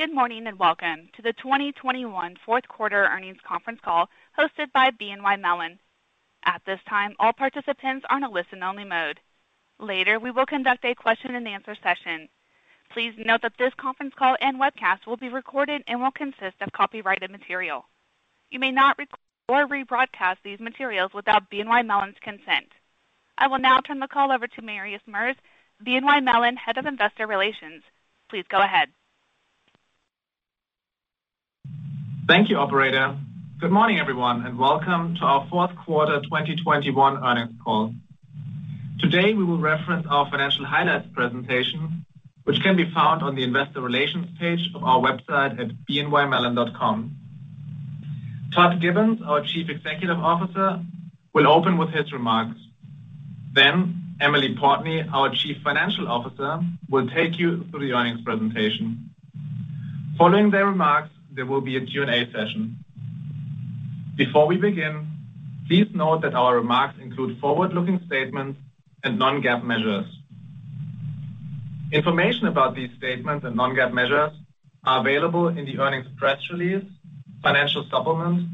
Good morning, and welcome to the 2021 fourth quarter earnings conference call hosted by BNY Mellon. At this time, all participants are in a listen-only mode. Later, we will conduct a question-and-answer session. Please note that this conference call and webcast will be recorded and will consist of copyrighted material. You may not record or rebroadcast these materials without BNY Mellon's consent. I will now turn the call over to Marius Merz, BNY Mellon Head of Investor Relations. Please go ahead. Thank you, operator. Good morning, everyone, and welcome to our fourth quarter 2021 earnings call. Today we will reference our financial highlights presentation, which can be found on the investor relations page of our website at bnymellon.com. Todd Gibbons, our Chief Executive Officer, will open with his remarks. Then Emily Portney, our Chief Financial Officer, will take you through the earnings presentation. Following their remarks, there will be a Q&A session. Before we begin, please note that our remarks include forward-looking statements and non-GAAP measures. Information about these statements and non-GAAP measures are available in the earnings press release, financial supplement,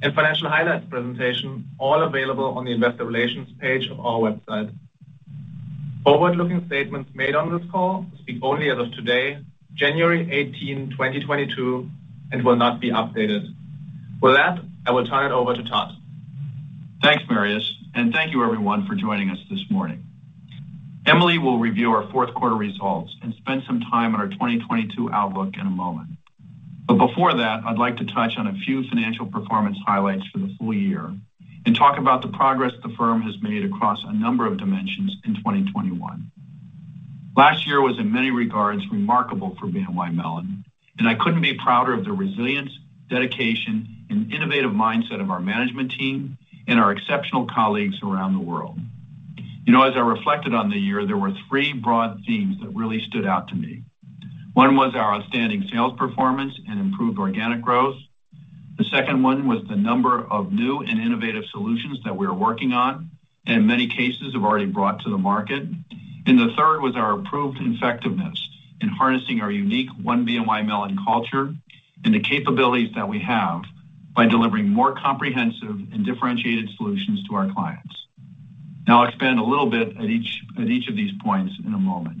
and financial highlights presentation, all available on the investor relations page of our website. Forward-looking statements made on this call speak only as of today, January 18, 2022, and will not be updated. With that, I will turn it over to Todd. Thanks, Marius, and thank you everyone for joining us this morning. Emily will review our fourth quarter results and spend some time on our 2022 outlook in a moment. Before that, I'd like to touch on a few financial performance highlights for the full year and talk about the progress the firm has made across a number of dimensions in 2021. Last year was in many regards remarkable for BNY Mellon, and I couldn't be prouder of the resilience, dedication, and innovative mindset of our management team and our exceptional colleagues around the world. You know, as I reflected on the year, there were three broad themes that really stood out to me. One was our outstanding sales performance and improved organic growth. The second one was the number of new and innovative solutions that we are working on, in many cases have already brought to the market. The third was our improved effectiveness in harnessing our unique One BNY Mellon culture and the capabilities that we have by delivering more comprehensive and differentiated solutions to our clients. Now I'll expand a little bit at each of these points in a moment.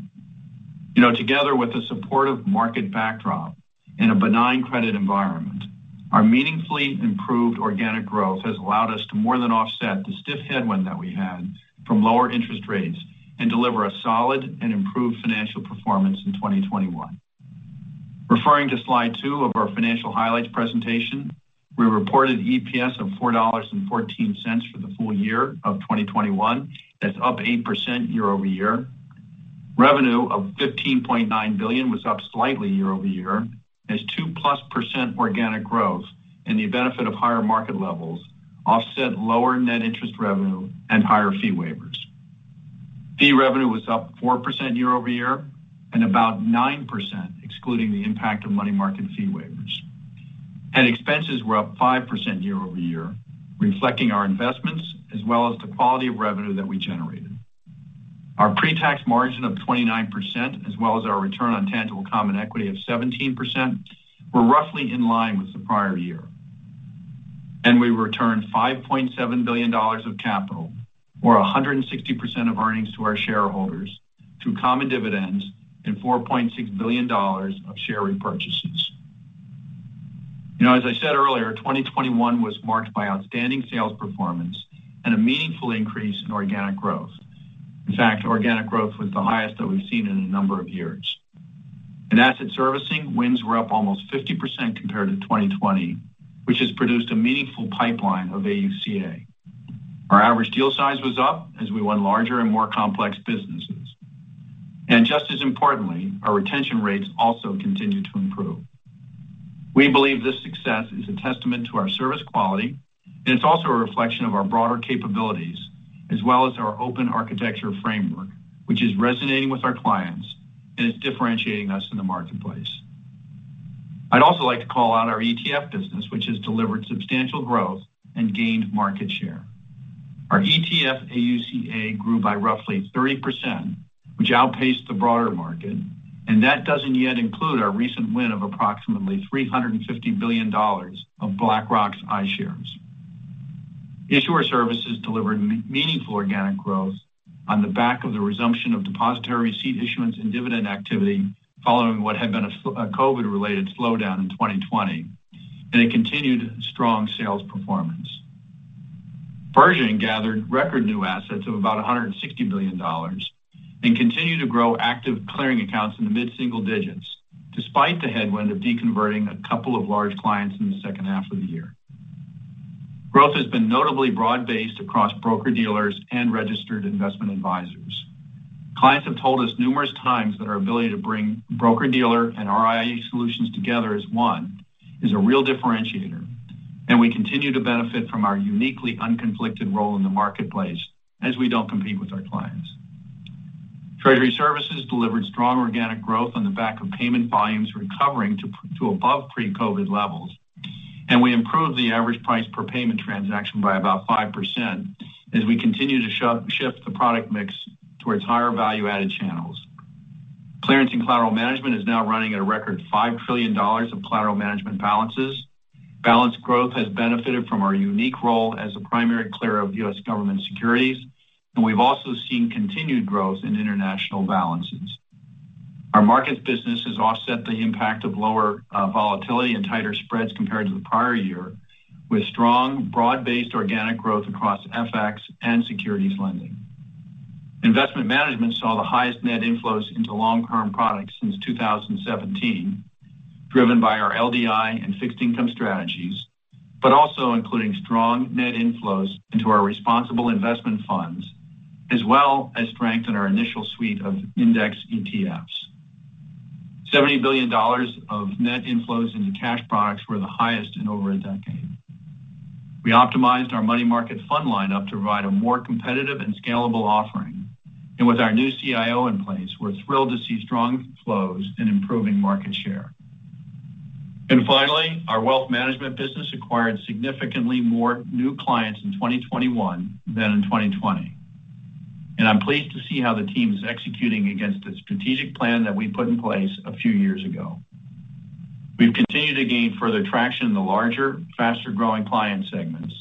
You know, together with the supportive market backdrop and a benign credit environment, our meaningfully improved organic growth has allowed us to more than offset the stiff headwind that we had from lower interest rates and deliver a solid and improved financial performance in 2021. Referring to slide 2 of our financial highlights presentation, we reported EPS of $4.14 for the full year of 2021. That's up 8% year-over-year. Revenue of $15.9 billion was up slightly year-over-year as 2%+ organic growth and the benefit of higher market levels offset lower net interest revenue and higher fee waivers. Fee revenue was up 4% year-over-year, and about 9% excluding the impact of money market fee waivers. Headcount expenses were up 5% year-over-year, reflecting our investments as well as the quality of revenue that we generated. Our pre-tax margin of 29% as well as our return on tangible common equity of 17% were roughly in line with the prior year. We returned $5.7 billion of capital or 160% of earnings to our shareholders through common dividends and $4.6 billion of share repurchases. You know, as I said earlier, 2021 was marked by outstanding sales performance and a meaningful increase in organic growth. In fact, organic growth was the highest that we've seen in a number of years. In Asset Servicing, wins were up almost 50% compared to 2020, which has produced a meaningful pipeline of AUCA. Our average deal size was up as we won larger and more complex businesses. Just as importantly, our retention rates also continued to improve. We believe this success is a testament to our service quality, and it's also a reflection of our broader capabilities as well as our open architecture framework, which is resonating with our clients and is differentiating us in the marketplace. I'd also like to call out our ETF business, which has delivered substantial growth and gained market share. Our ETF AUCA grew by roughly 30%, which outpaced the broader market, and that doesn't yet include our recent win of approximately $350 billion of BlackRock's iShares. Issuer services delivered meaningful organic growth on the back of the resumption of depository receipt issuance and dividend activity following what had been a COVID-related slowdown in 2020, and a continued strong sales performance. Pershing gathered record new assets of about $160 billion and continued to grow active clearing accounts in the mid-single digits% despite the headwind of deconverting a couple of large clients in the second half of the year. Growth has been notably broad-based across broker-dealers and registered investment advisors. Clients have told us numerous times that our ability to bring broker-dealer and RIA solutions together as one is a real differentiator, and we continue to benefit from our uniquely unconflicted role in the marketplace as we don't compete with our clients. Treasury services delivered strong organic growth on the back of payment volumes recovering to above pre-COVID levels. We improved the average price per payment transaction by about 5% as we continue to shift the product mix towards higher value-added channels. Clearance and collateral management is now running at a record $5 trillion of collateral management balances. Balance growth has benefited from our unique role as a primary clearer of U.S. government securities, and we've also seen continued growth in international balances. Our markets business has offset the impact of lower volatility and tighter spreads compared to the prior year, with strong, broad-based organic growth across FX and securities lending. Investment management saw the highest net inflows into long-term products since 2017, driven by our LDI and fixed income strategies, but also including strong net inflows into our responsible investment funds, as well as strength in our initial suite of index ETFs. $70 billion of net inflows into cash products were the highest in over a decade. We optimized our money market fund lineup to provide a more competitive and scalable offering. With our new CIO in place, we're thrilled to see strong flows and improving market share. Finally, our wealth management business acquired significantly more new clients in 2021 than in 2020. I'm pleased to see how the team is executing against the strategic plan that we put in place a few years ago. We've continued to gain further traction in the larger, faster-growing client segments,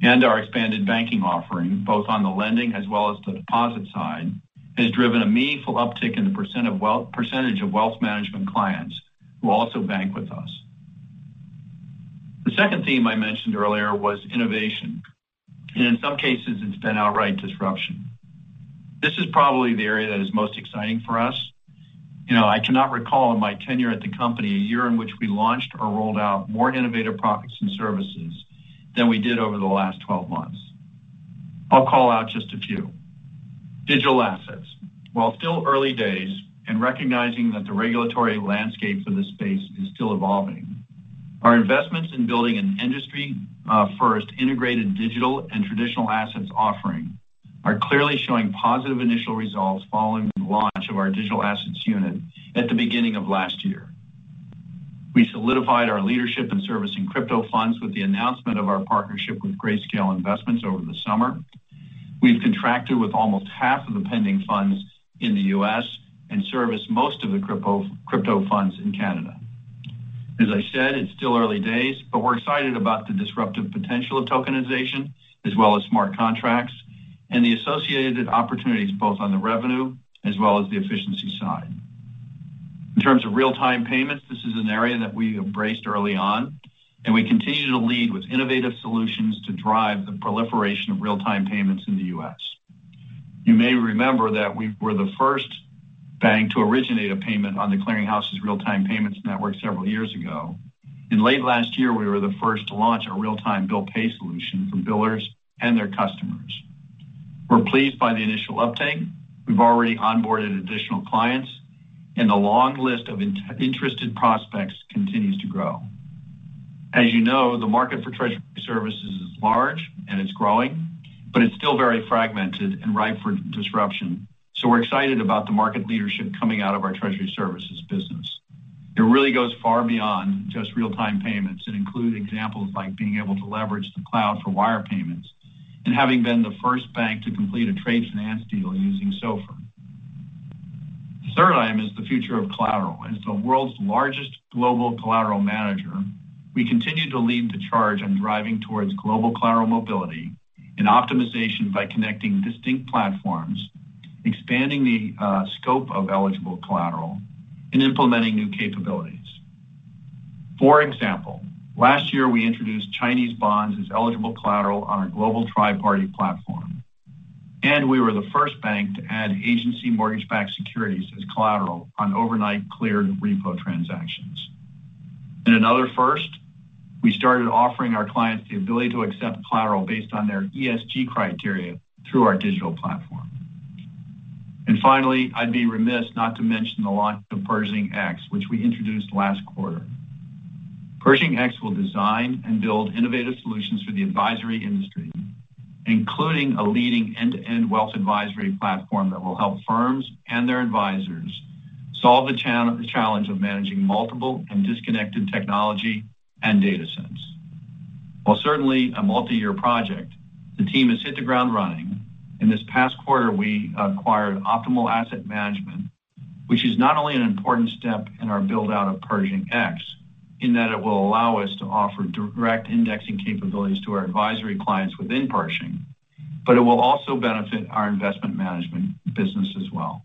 and our expanded banking offering, both on the lending as well as the deposit side, has driven a meaningful uptick in the percentage of wealth management clients who also bank with us. The second theme I mentioned earlier was innovation. In some cases, it's been outright disruption. This is probably the area that is most exciting for us. You know, I cannot recall in my tenure at the company a year in which we launched or rolled out more innovative products and services than we did over the last 12 months. I'll call out just a few. Digital assets. While still early days and recognizing that the regulatory landscape for this space is still evolving, our investments in building an industry first integrated digital and traditional assets offering are clearly showing positive initial results following the launch of our digital assets unit at the beginning of last year. We solidified our leadership in servicing crypto funds with the announcement of our partnership with Grayscale Investments over the summer. We've contracted with almost half of the pending funds in the U.S. and serviced most of the crypto funds in Canada. As I said, it's still early days, but we're excited about the disruptive potential of tokenization as well as smart contracts and the associated opportunities, both on the revenue as well as the efficiency side. In terms of real-time payments, this is an area that we embraced early on, and we continue to lead with innovative solutions to drive the proliferation of real-time payments in the U.S. You may remember that we were the first bank to originate a payment on The Clearing House's real-time payments network several years ago. In late last year, we were the first to launch a real-time bill pay solution for billers and their customers. We're pleased by the initial uptake. We've already onboarded additional clients, and the long list of interested prospects continues to grow. As you know, the market for Treasury Services is large and it's growing, but it's still very fragmented and ripe for disruption. We're excited about the market leadership coming out of our Treasury Services business. It really goes far beyond just real-time payments. It includes examples like being able to leverage the cloud for wire payments and having been the first bank to complete a trade finance deal using SOFR. The third item is the future of collateral. As the world's largest global collateral manager, we continue to lead the charge on driving towards global collateral mobility and optimization by connecting distinct platforms, expanding the scope of eligible collateral and implementing new capabilities. For example, last year, we introduced Chinese bonds as eligible collateral on our global tri-party platform, and we were the first bank to add agency mortgage-backed securities as collateral on overnight cleared repo transactions. In another first, we started offering our clients the ability to accept collateral based on their ESG criteria through our digital platform. Finally, I'd be remiss not to mention the launch of Pershing X, which we introduced last quarter. Pershing X will design and build innovative solutions for the advisory industry, including a leading end-to-end wealth advisory platform that will help firms and their advisors solve the challenge of managing multiple and disconnected technology and data sets. While certainly a multi-year project, the team has hit the ground running. In this past quarter, we acquired Optimal Asset Management, which is not only an important step in our build-out of Pershing X, in that it will allow us to offer direct indexing capabilities to our advisory clients within Pershing, but it will also benefit our investment management business as well.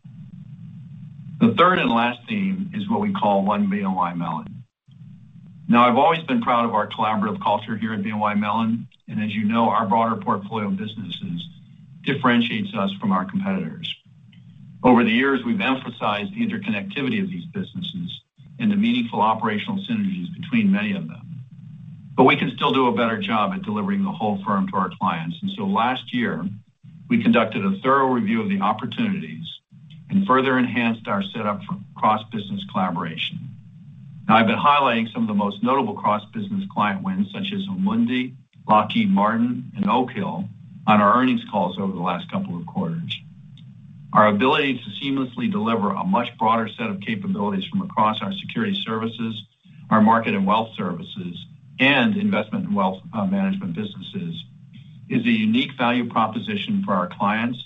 The third and last theme is what we call One BNY Mellon. Now, I've always been proud of our collaborative culture here at BNY Mellon, and as you know, our broader portfolio of businesses differentiates us from our competitors. Over the years, we've emphasized the interconnectivity of these businesses and the meaningful operational synergies between many of them. We can still do a better job at delivering the whole firm to our clients. Last year, we conducted a thorough review of the opportunities and further enhanced our setup for cross-business collaboration. Now, I've been highlighting some of the most notable cross-business client wins, such as Amundi, Lockheed Martin, and Oak Hill, on our earnings calls over the last couple of quarters. Our ability to seamlessly deliver a much broader set of capabilities from across our Securities Services, our Market and Wealth Services, and Investment and Wealth Management businesses is a unique value proposition for our clients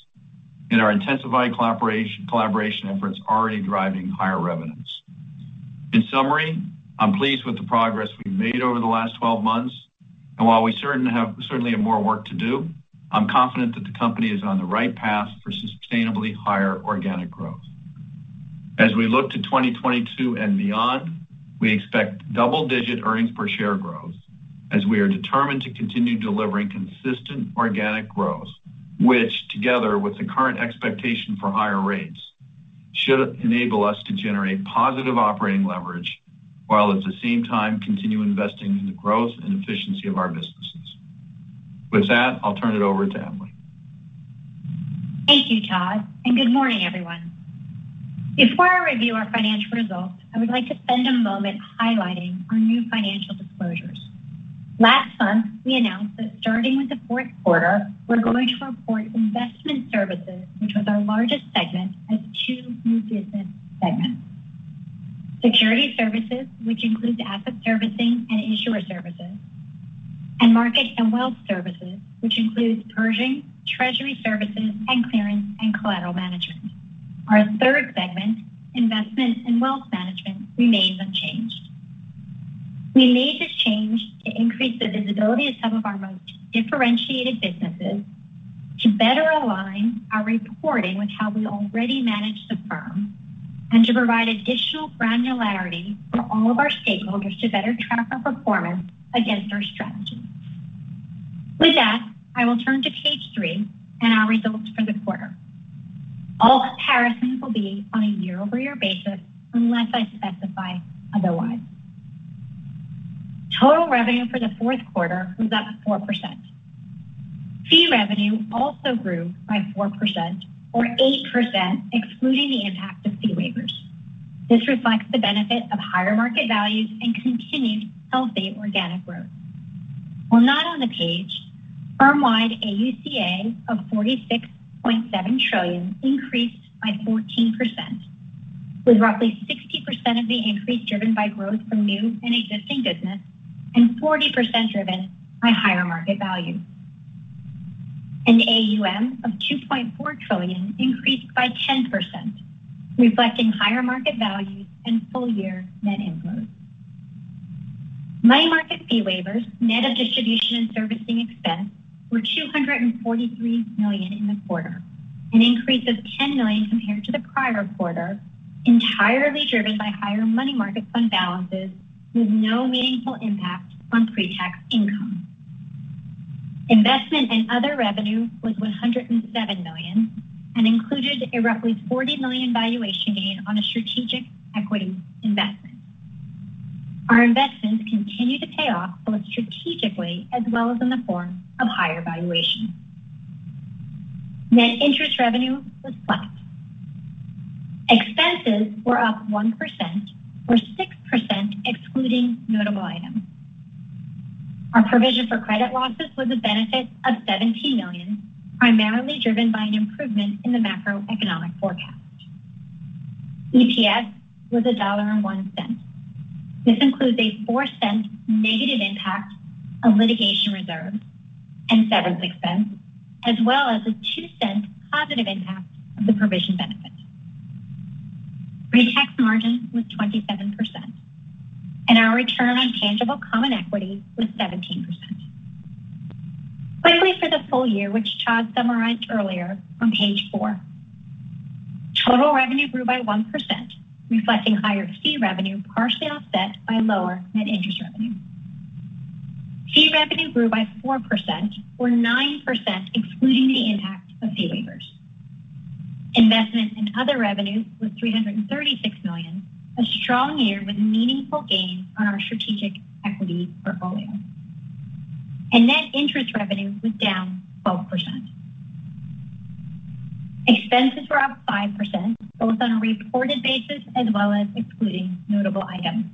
and our intensified collaboration efforts already driving higher revenues. In summary, I'm pleased with the progress we've made over the last 12 months, and while we certainly have more work to do, I'm confident that the company is on the right path for sustainably higher organic growth. As we look to 2022 and beyond, we expect double-digit earnings per share growth as we are determined to continue delivering consistent organic growth, which together with the current expectation for higher rates, should enable us to generate positive operating leverage while at the same time continue investing in the growth and efficiency of our businesses. With that, I'll turn it over to Emily. Thank you, Todd, and good morning, everyone. Before I review our financial results, I would like to spend a moment highlighting our new financial disclosures. Last month, we announced that starting with the fourth quarter, we're going to report investment services, which was our largest segment, as two new business segments. Securities Services, which includes asset servicing and issuer services, and Market and Wealth Services, which includes Pershing, Treasury Services, and Clearance and Collateral Management. Our third segment, Investment and Wealth Management, remains unchanged. We made this change to increase the visibility of some of our most differentiated businesses, to better align our reporting with how we already manage the firm, and to provide additional granularity for all of our stakeholders to better track our performance against our strategy. With that, I will turn to page three and our results for the quarter. All comparisons will be on a year-over-year basis unless I specify otherwise. Total revenue for the fourth quarter was up 4%. Fee revenue also grew by 4% or 8% excluding the impact of fee waivers. This reflects the benefit of higher market values and continued healthy organic growth. While not on the page, firm-wide AUCA of $46.7 trillion increased by 14%, with roughly 60% of the increase driven by growth from new and existing business and 40% driven by higher market value. An AUM of $2.4 trillion increased by 10%, reflecting higher market values and full-year net inflows. Money market fee waivers, net of distribution and servicing expense, were $243 million in the quarter, an increase of $10 million compared to the prior quarter, entirely driven by higher money market fund balances with no meaningful impact on pre-tax income. Investment and other revenue was $107 million, and included a roughly $40 million valuation gain on a strategic equity investment. Our investments continue to pay off both strategically as well as in the form of higher valuation. Net interest revenue was flat. Expenses were up 1% or 6% excluding notable items. Our provision for credit losses was a benefit of $17 million, primarily driven by an improvement in the macroeconomic forecast. EPS was $1.01. This includes a $0.04 negative impact of litigation reserves and severance expense, as well as a $0.02 positive impact of the provision benefit. Pre-tax margin was 27%, and our return on tangible common equity was 17%. Finally, for the full year, which Todd summarized earlier on page four, total revenue grew by 1%, reflecting higher fee revenue partially offset by lower net interest revenue. Fee revenue grew by 4% or 9% excluding the impact of fee waivers. Investment and other revenue was $336 million, a strong year with meaningful gains on our strategic equity portfolio. Net interest revenue was down 12%. Expenses were up 5%, both on a reported basis as well as excluding notable items.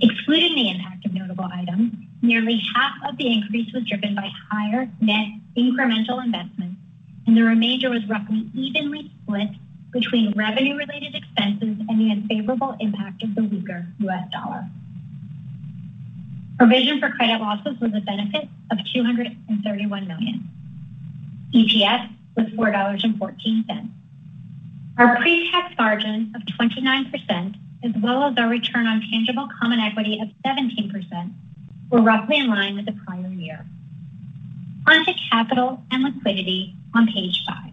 Excluding the impact of notable items, nearly half of the increase was driven by higher net incremental investments, and the remainder was roughly evenly split between revenue related expenses and the unfavorable impact of the weaker U.S. dollar. Provision for credit losses was a benefit of $231 million. EPS was $4.14. Our pre-tax margin of 29% as well as our return on tangible common equity of 17% were roughly in line with the prior year. Onto capital and liquidity on page 5.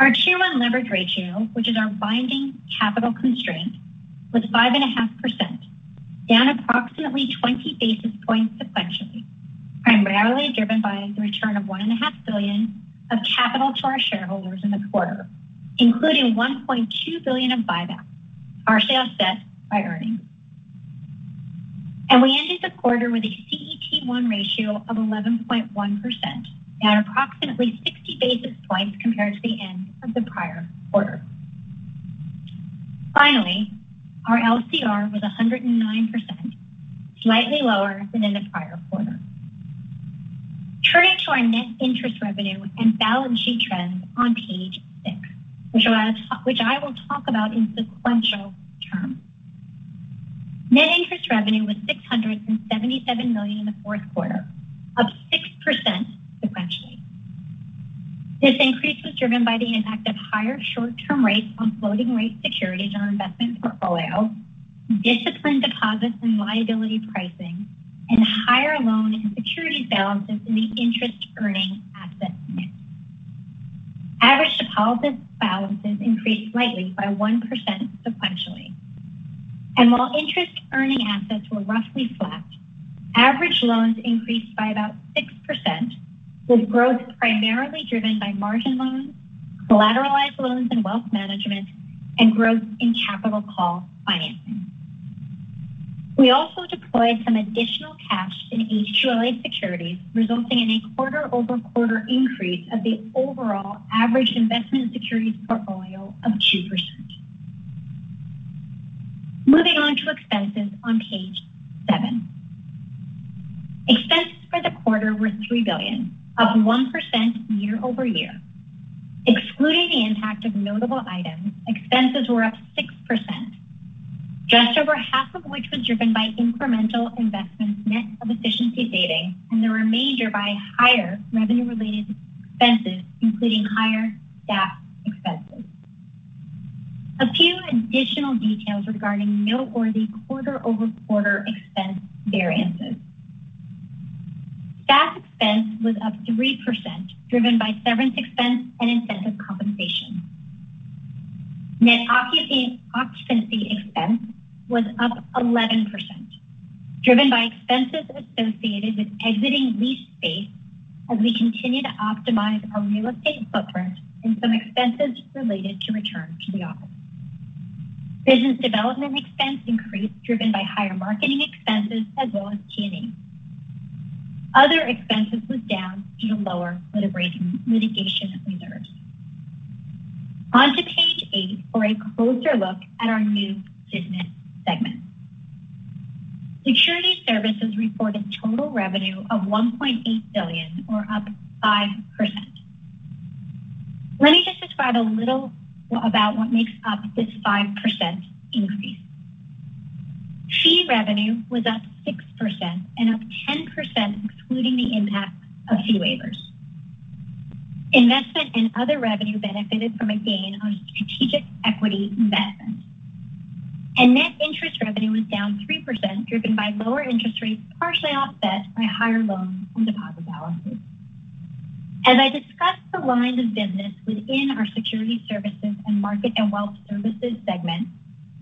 Our Tier 1 leverage ratio, which is our binding capital constraint, was 5.5%, down approximately 20 basis points sequentially, primarily driven by the return of $1.5 billion of capital to our shareholders in the quarter, including $1.2 billion of buybacks, offset by earnings. We ended the quarter with a CET1 ratio of 11.1% at approximately 60 basis points compared to the end of the prior quarter. Finally, our LCR was 109%, slightly lower than in the prior quarter. Turning to our net interest revenue and balance sheet trends on page six, which I will talk about in sequential terms. Net interest revenue was $677 million in the fourth quarter, up 6% sequentially. This increase was driven by the impact of higher short-term rates on floating rate securities on investment portfolio, disciplined deposits and liability pricing, and higher loan and security balances in the interest-earning assets mix. Average deposit balances increased slightly by 1% sequentially. While interest-earning assets were roughly flat, average loans increased by about 6%, with growth primarily driven by margin loans, collateralized loans and wealth management, and growth in capital call financing. We also deployed some additional cash in HQLA securities, resulting in a quarter-over-quarter increase of the overall average investment securities portfolio of 2%. Moving on to expenses on page 7. Expenses for the quarter were $3 billion, up 1% year-over-year. Excluding the impact of notable items, expenses were up 6%, just over half of which was driven by incremental investments net of efficiency gains, and the remainder by higher revenue-related expenses, including higher staff expenses. A few additional details regarding noteworthy quarter-over-quarter expense variances. Staff expense was up 3%, driven by severance expense and incentive compensation. Net occupancy expense was up 11%, driven by expenses associated with exiting lease space as we continue to optimize our real estate footprint and some expenses related to return to the office. Business development expense increased driven by higher marketing expenses as well as G&A. Other expenses was down due to lower litigation reserves. On to page 8 for a closer look at our new business segment. Securities Services reported total revenue of $1.8 billion, up 5%. Let me just describe a little about what makes up this 5% increase. Fee revenue was up 6% and up 10% excluding the impact of fee waivers. Investment and other revenue benefited from a gain on strategic equity investments. Net interest revenue was down 3%, driven by lower interest rates, partially offset by higher loans and deposit balances. As I discuss the lines of business within our Securities Services and Market and Wealth Services segment,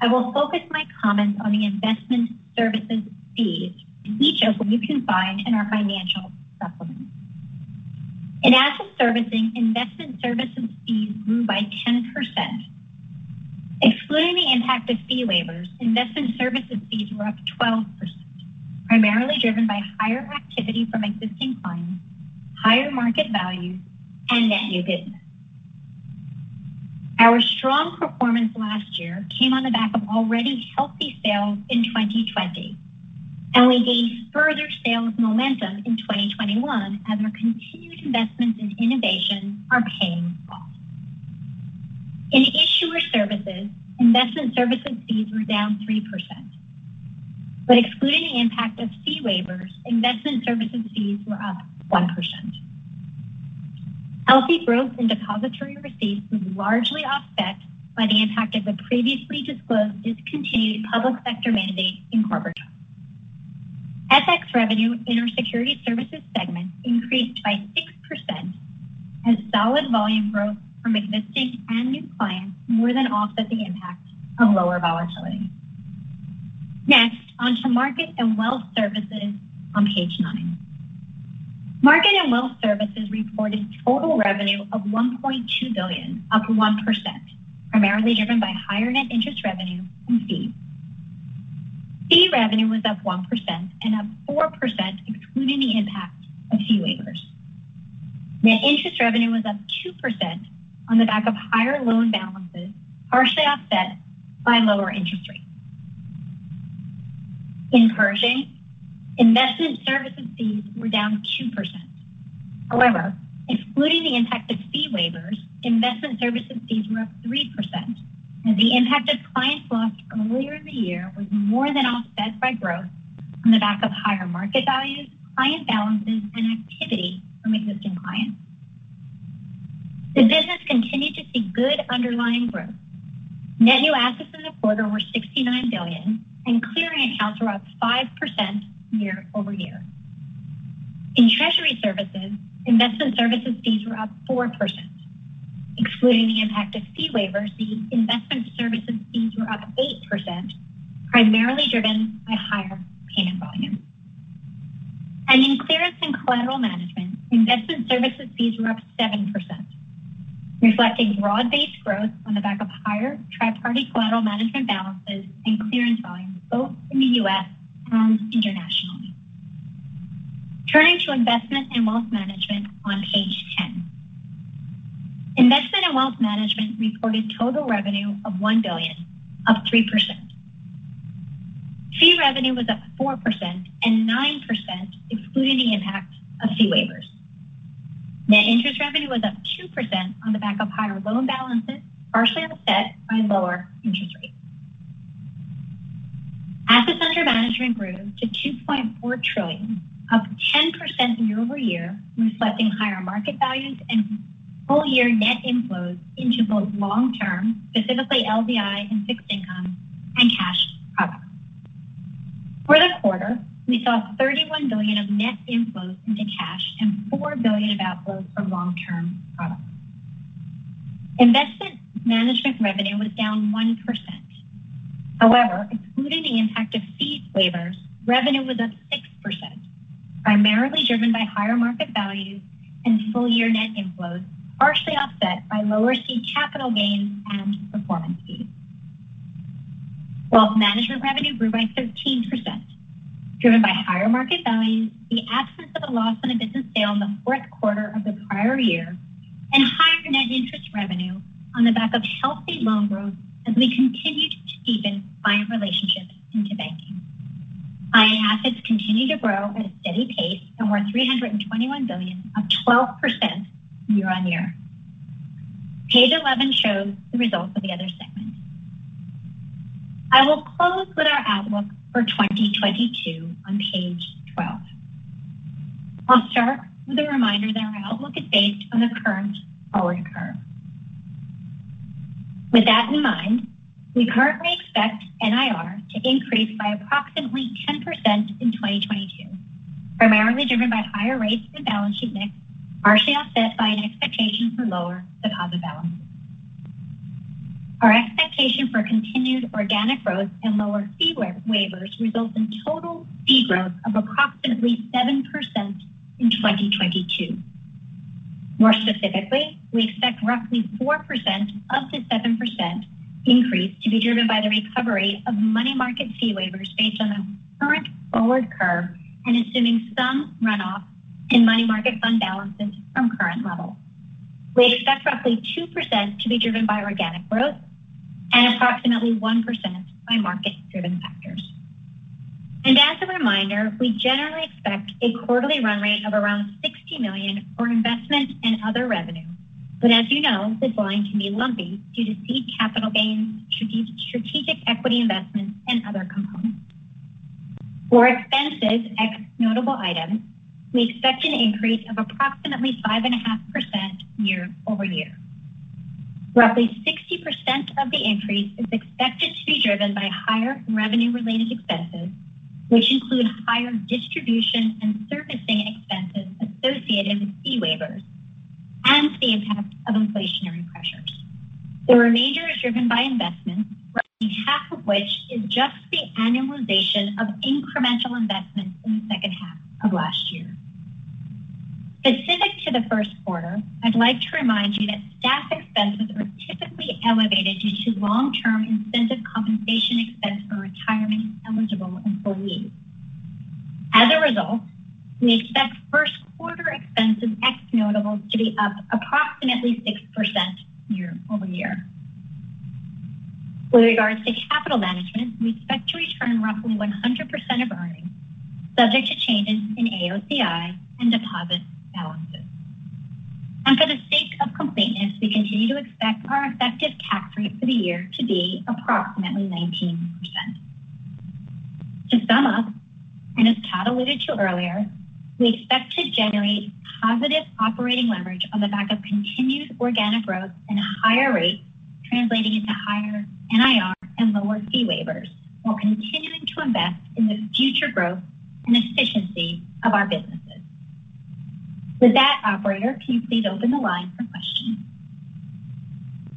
I will focus my comments on the investment services fees, each of which you can find in our financial supplement. In asset servicing, investment services fees grew by 10%. Excluding the impact of fee waivers, investment services fees were up 12%, primarily driven by higher activity from existing clients, higher market values, and net new business. Our strong performance last year came on the back of already healthy sales in 2020, and we gained further sales momentum in 2021 as our continued investments in innovation are paying off. In issuer services, investment services fees were down 3%. Excluding the impact of fee waivers, investment services fees were up 1%. Healthy growth in depository receipts was largely offset by the impact of the previously disclosed discontinued public sector mandate in corporate. FX revenue in our Securities Services segment increased by 6% as solid volume growth from existing and new clients more than offset the impact of lower volatility. Next on to Market and Wealth Services on page nine. Market and Wealth Services reported total revenue of $1.2 billion, up 1%, primarily driven by higher net interest revenue and fees. Fee revenue was up 1% and up 4% excluding the impact of fee waivers. Net interest revenue was up 2% on the back of higher loan balances, partially offset by lower interest rates. In Pershing, investment services fees were down 2%. However, excluding the impact of fee waivers, investment services fees were up 3%, and the impact of clients lost earlier in the year was more than offset by growth on the back of higher market values, client balances, and activity from existing clients. The business continued to see good underlying growth. Net new assets in the quarter were $69 billion, and clearing accounts were up 5% year-over-year. In treasury services, investment services fees were up 4%. Excluding the impact of fee waivers, the investment services fees were up 8%, primarily driven by higher payment volume. In clearance and collateral management, investment services fees were up 7%, reflecting broad-based growth on the back of higher tri-party collateral management balances and clearance volumes both in the U.S. and internationally. Turning to investment and wealth management on page 10. Investment and wealth management reported total revenue of $1 billion, up 3%. Fee revenue was up 4% and 9%, excluding the impact of fee waivers. Net interest revenue was up 2% on the back of higher loan balances, partially offset by lower interest rates. Assets under management grew to $2.4 trillion, up 10% year-over-year, reflecting higher market values and full-year net inflows into both long-term, specifically LDI and fixed income and cash products. For the quarter, we saw $31 billion of net inflows into cash and $4 billion of outflows for long-term products. Investment management revenue was down 1%. However, excluding the impact of fee waivers, revenue was up 6%, primarily driven by higher market values and full-year net inflows, partially offset by lower seed capital gains and performance fees. Wealth management revenue grew by 13%, driven by higher market values, the absence of a loss on a business sale in the fourth quarter of the prior year, and higher net interest revenue on the back of healthy loan growth as we continue to deepen client relationships into banking. Client assets continue to grow at a steady pace and were $321 billion, up 12% year on year. Page 11 shows the results of the other segments. I will close with our outlook for 2022 on page 12. I'll start with a reminder that our outlook is based on the current forward curve. With that in mind, we currently expect NIR to increase by approximately 10% in 2022, primarily driven by higher rates and balance sheet mix, partially offset by an expectation for lower deposit balances. Our expectation for continued organic growth and lower fee waivers results in total fee growth of approximately 7% in 2022. More specifically, we expect roughly 4%-7% increase to be driven by the recovery of money market fee waivers based on the current forward curve and assuming some runoff in money market fund balances from current levels. We expect roughly 2% to be driven by organic growth and approximately 1% by market-driven factors. As a reminder, we generally expect a quarterly run rate of around $60 million for investment and other revenue. You know, this line can be lumpy due to seed capital gains, strategic equity investments, and other components. For expenses, ex notable items, we expect an increase of approximately 5.5% year-over-year. Roughly 60% of the increase is expected to be driven by higher revenue-related expenses, which include higher distribution and servicing expenses associated with fee waivers and the impact of inflationary pressures. The remainder is driven by investments, roughly half of which is just the annualization of incremental investments in the second half of last year. Specific to the first quarter, I'd like to remind you that staff expenses are typically elevated due to long-term incentive compensation expense for retirement-eligible employees. As a result, we expect first quarter expenses, ex notables, to be up approximately 6% year over year. With regards to capital management, we expect to return roughly 100% of earnings subject to changes in AOCI and deposit balances. For the sake of completeness, we continue to expect our effective tax rate for the year to be approximately 19%. To sum up, as Todd alluded to earlier, we expect to generate positive operating leverage on the back of continued organic growth and higher rates translating into higher NIR and lower fee waivers while continuing to invest in the future growth and efficiency of our businesses. With that, operator, can you please open the line for questions?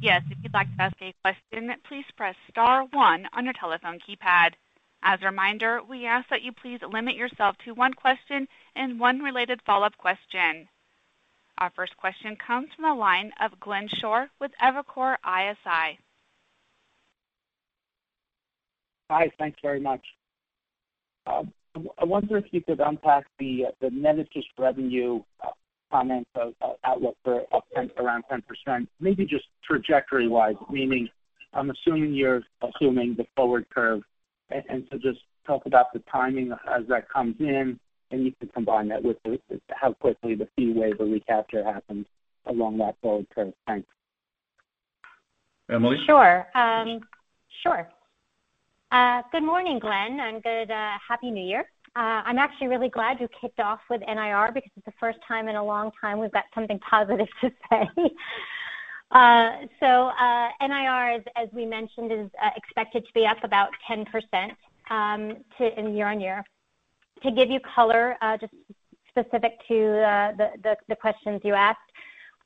Yes. If you'd like to ask a question, please press star one on your telephone keypad. As a reminder, we ask that you please limit yourself to one question and one related follow-up question. Our first question comes from the line of Glenn Schorr with Evercore ISI. Hi. Thank you very much. I wonder if you could unpack the net interest revenue comments on the outlook for around 10%, maybe just trajectory-wise, meaning I'm assuming you're assuming the forward curve. And so just talk about the timing as that comes in, and you can combine that with how quickly the fee waiver recapture happens along that forward curve. Thanks. Emily? Sure. Good morning, Glenn, and good happy New Year. I'm actually really glad you kicked off with NIR because it's the first time in a long time we've got something positive to say. NIR is, as we mentioned, expected to be up about 10% year-over-year. To give you color, just specific to the questions you asked,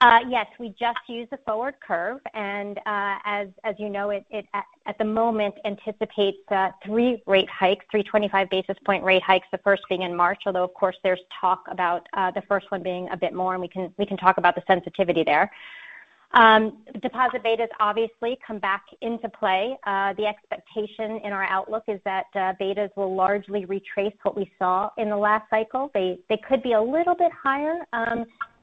yes, we just use the forward curve and, as you know, it at the moment anticipates three rate hikes, three 25 basis point rate hikes, the first being in March, although of course there's talk about the first one being a bit more, and we can talk about the sensitivity there. Deposit betas obviously come back into play. The expectation in our outlook is that betas will largely retrace what we saw in the last cycle. They could be a little bit higher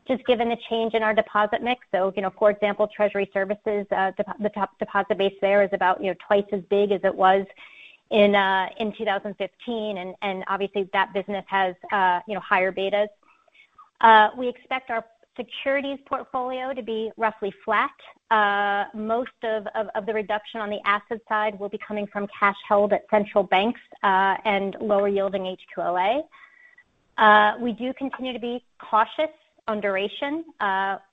just given the change in our deposit mix. You know, for example, treasury services, the top deposit base there is about, you know, twice as big as it was in 2015, and obviously that business has, you know, higher betas. We expect our securities portfolio to be roughly flat. Most of the reduction on the asset side will be coming from cash held at central banks and lower yielding HQLA. We do continue to be cautious on duration.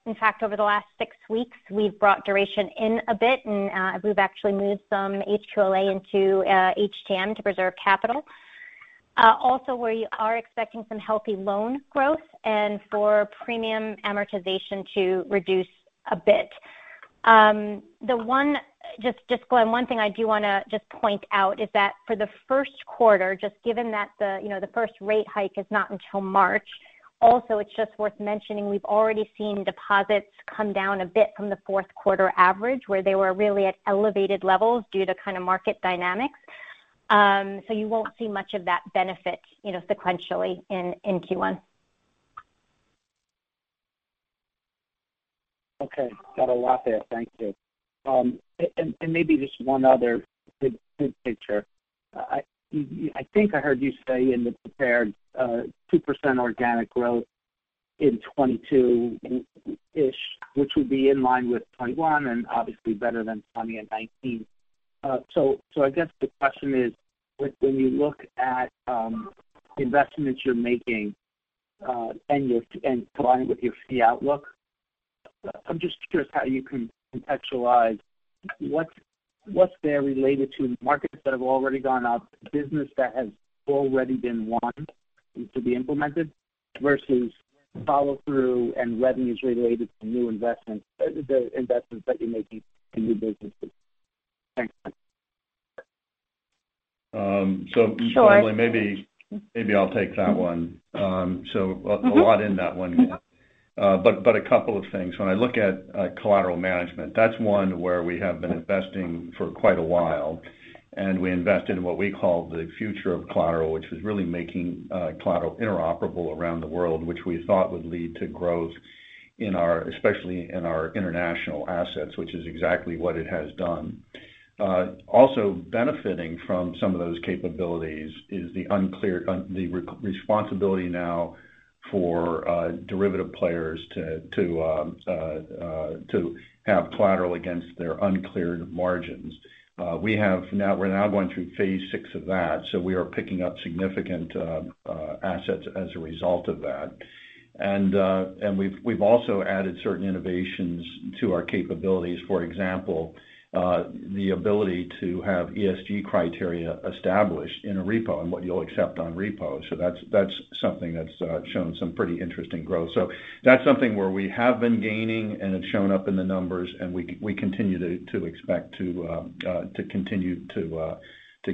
In fact, over the last six weeks, we've brought duration in a bit, and we've actually moved some HQLA into HTM to preserve capital. Also we are expecting some healthy loan growth and for premium amortization to reduce a bit. Just one thing I do wanna just point out is that for the first quarter, just given that, you know, the first rate hike is not until March, also it's just worth mentioning we've already seen deposits come down a bit from the fourth quarter average, where they were really at elevated levels due to kind of market dynamics. You won't see much of that benefit, you know, sequentially in Q1. Okay. Got a lot there. Thank you. Maybe just one other big picture. I think I heard you say in the prepared 2% organic growth in 2022-ish, which would be in line with 2021 and obviously better than 2020 and 2019. So I guess the question is when you look at investments you're making and combined with your fee outlook, I'm just curious how you can contextualize what's there related to markets that have already gone up, business that has already been won to be implemented versus follow through and revenues related to new investments, the investments that you're making in new businesses. Thanks. Um, so- Sure. Emily, maybe I'll take that one. A lot in that one. A couple of things. When I look at collateral management, that's one where we have been investing for quite a while, and we invest in what we call the future of collateral, which is really making collateral interoperable around the world, which we thought would lead to growth in our assets, especially in our international assets, which is exactly what it has done. Also benefiting from some of those capabilities is the responsibility now for derivative players to have collateral against their uncleared margins. We're now going through Phase 6 of that, so we are picking up significant assets as a result of that. We've also added certain innovations to our capabilities. For example, the ability to have ESG criteria established in a repo and what you'll accept on repo. That's something that's shown some pretty interesting growth. That's something where we have been gaining and it's shown up in the numbers, and we continue to expect to continue to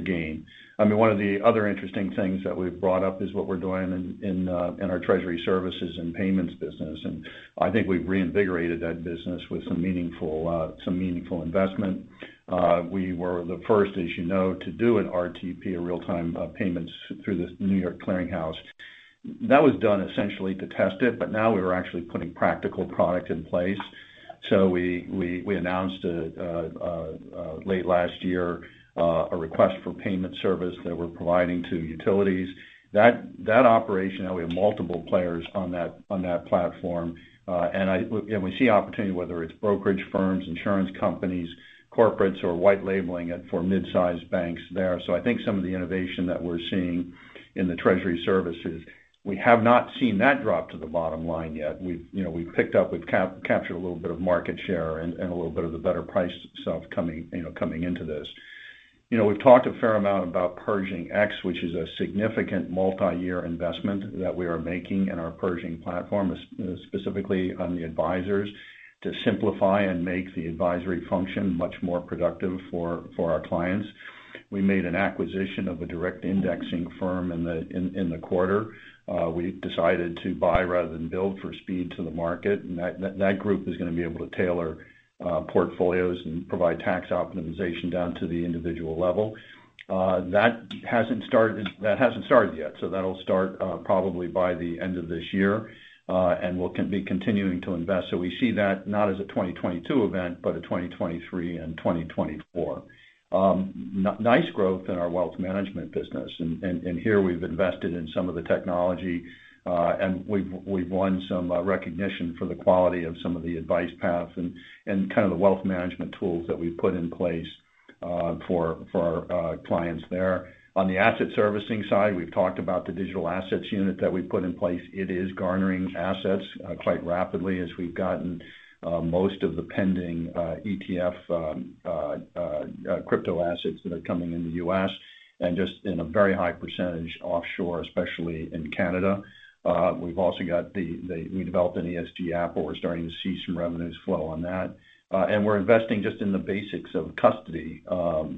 gain. I mean, one of the other interesting things that we've brought up is what we're doing in our Treasury Services and payments business. I think we've reinvigorated that business with some meaningful investment. We were the first, as you know, to do an RTP, real-time payments through The Clearing House. That was done essentially to test it, but now we're actually putting practical product in place. We announced late last year a request for payment service that we're providing to utilities. That operation, now we have multiple players on that platform. And we see opportunity, whether it's brokerage firms, insurance companies, corporates or white labeling it for mid-sized banks there. I think some of the innovation that we're seeing in the treasury services, we have not seen that drop to the bottom line yet. You know, we've picked up, we've captured a little bit of market share and a little bit of the better price stuff coming, you know, coming into this. You know, we've talked a fair amount about Pershing X, which is a significant multi-year investment that we are making in our Pershing platform, specifically on the advisors to simplify and make the advisory function much more productive for our clients. We made an acquisition of a direct indexing firm in the quarter. We decided to buy rather than build for speed to the market. That group is gonna be able to tailor portfolios and provide tax optimization down to the individual level. That hasn't started yet. That'll start probably by the end of this year, and we'll be continuing to invest. We see that not as a 2022 event, but a 2023 and 2024. Nice growth in our wealth management business. Here we've invested in some of the technology, and we've won some recognition for the quality of some of the advice paths and kind of the wealth management tools that we've put in place for our clients there. On the asset servicing side, we've talked about the digital assets unit that we've put in place. It is garnering assets quite rapidly as we've gotten most of the pending ETF crypto assets that are coming in the U.S. and just in a very high percentage offshore, especially in Canada. We've also developed an ESG app, where we're starting to see some revenues flow on that. We're investing just in the basics of custody,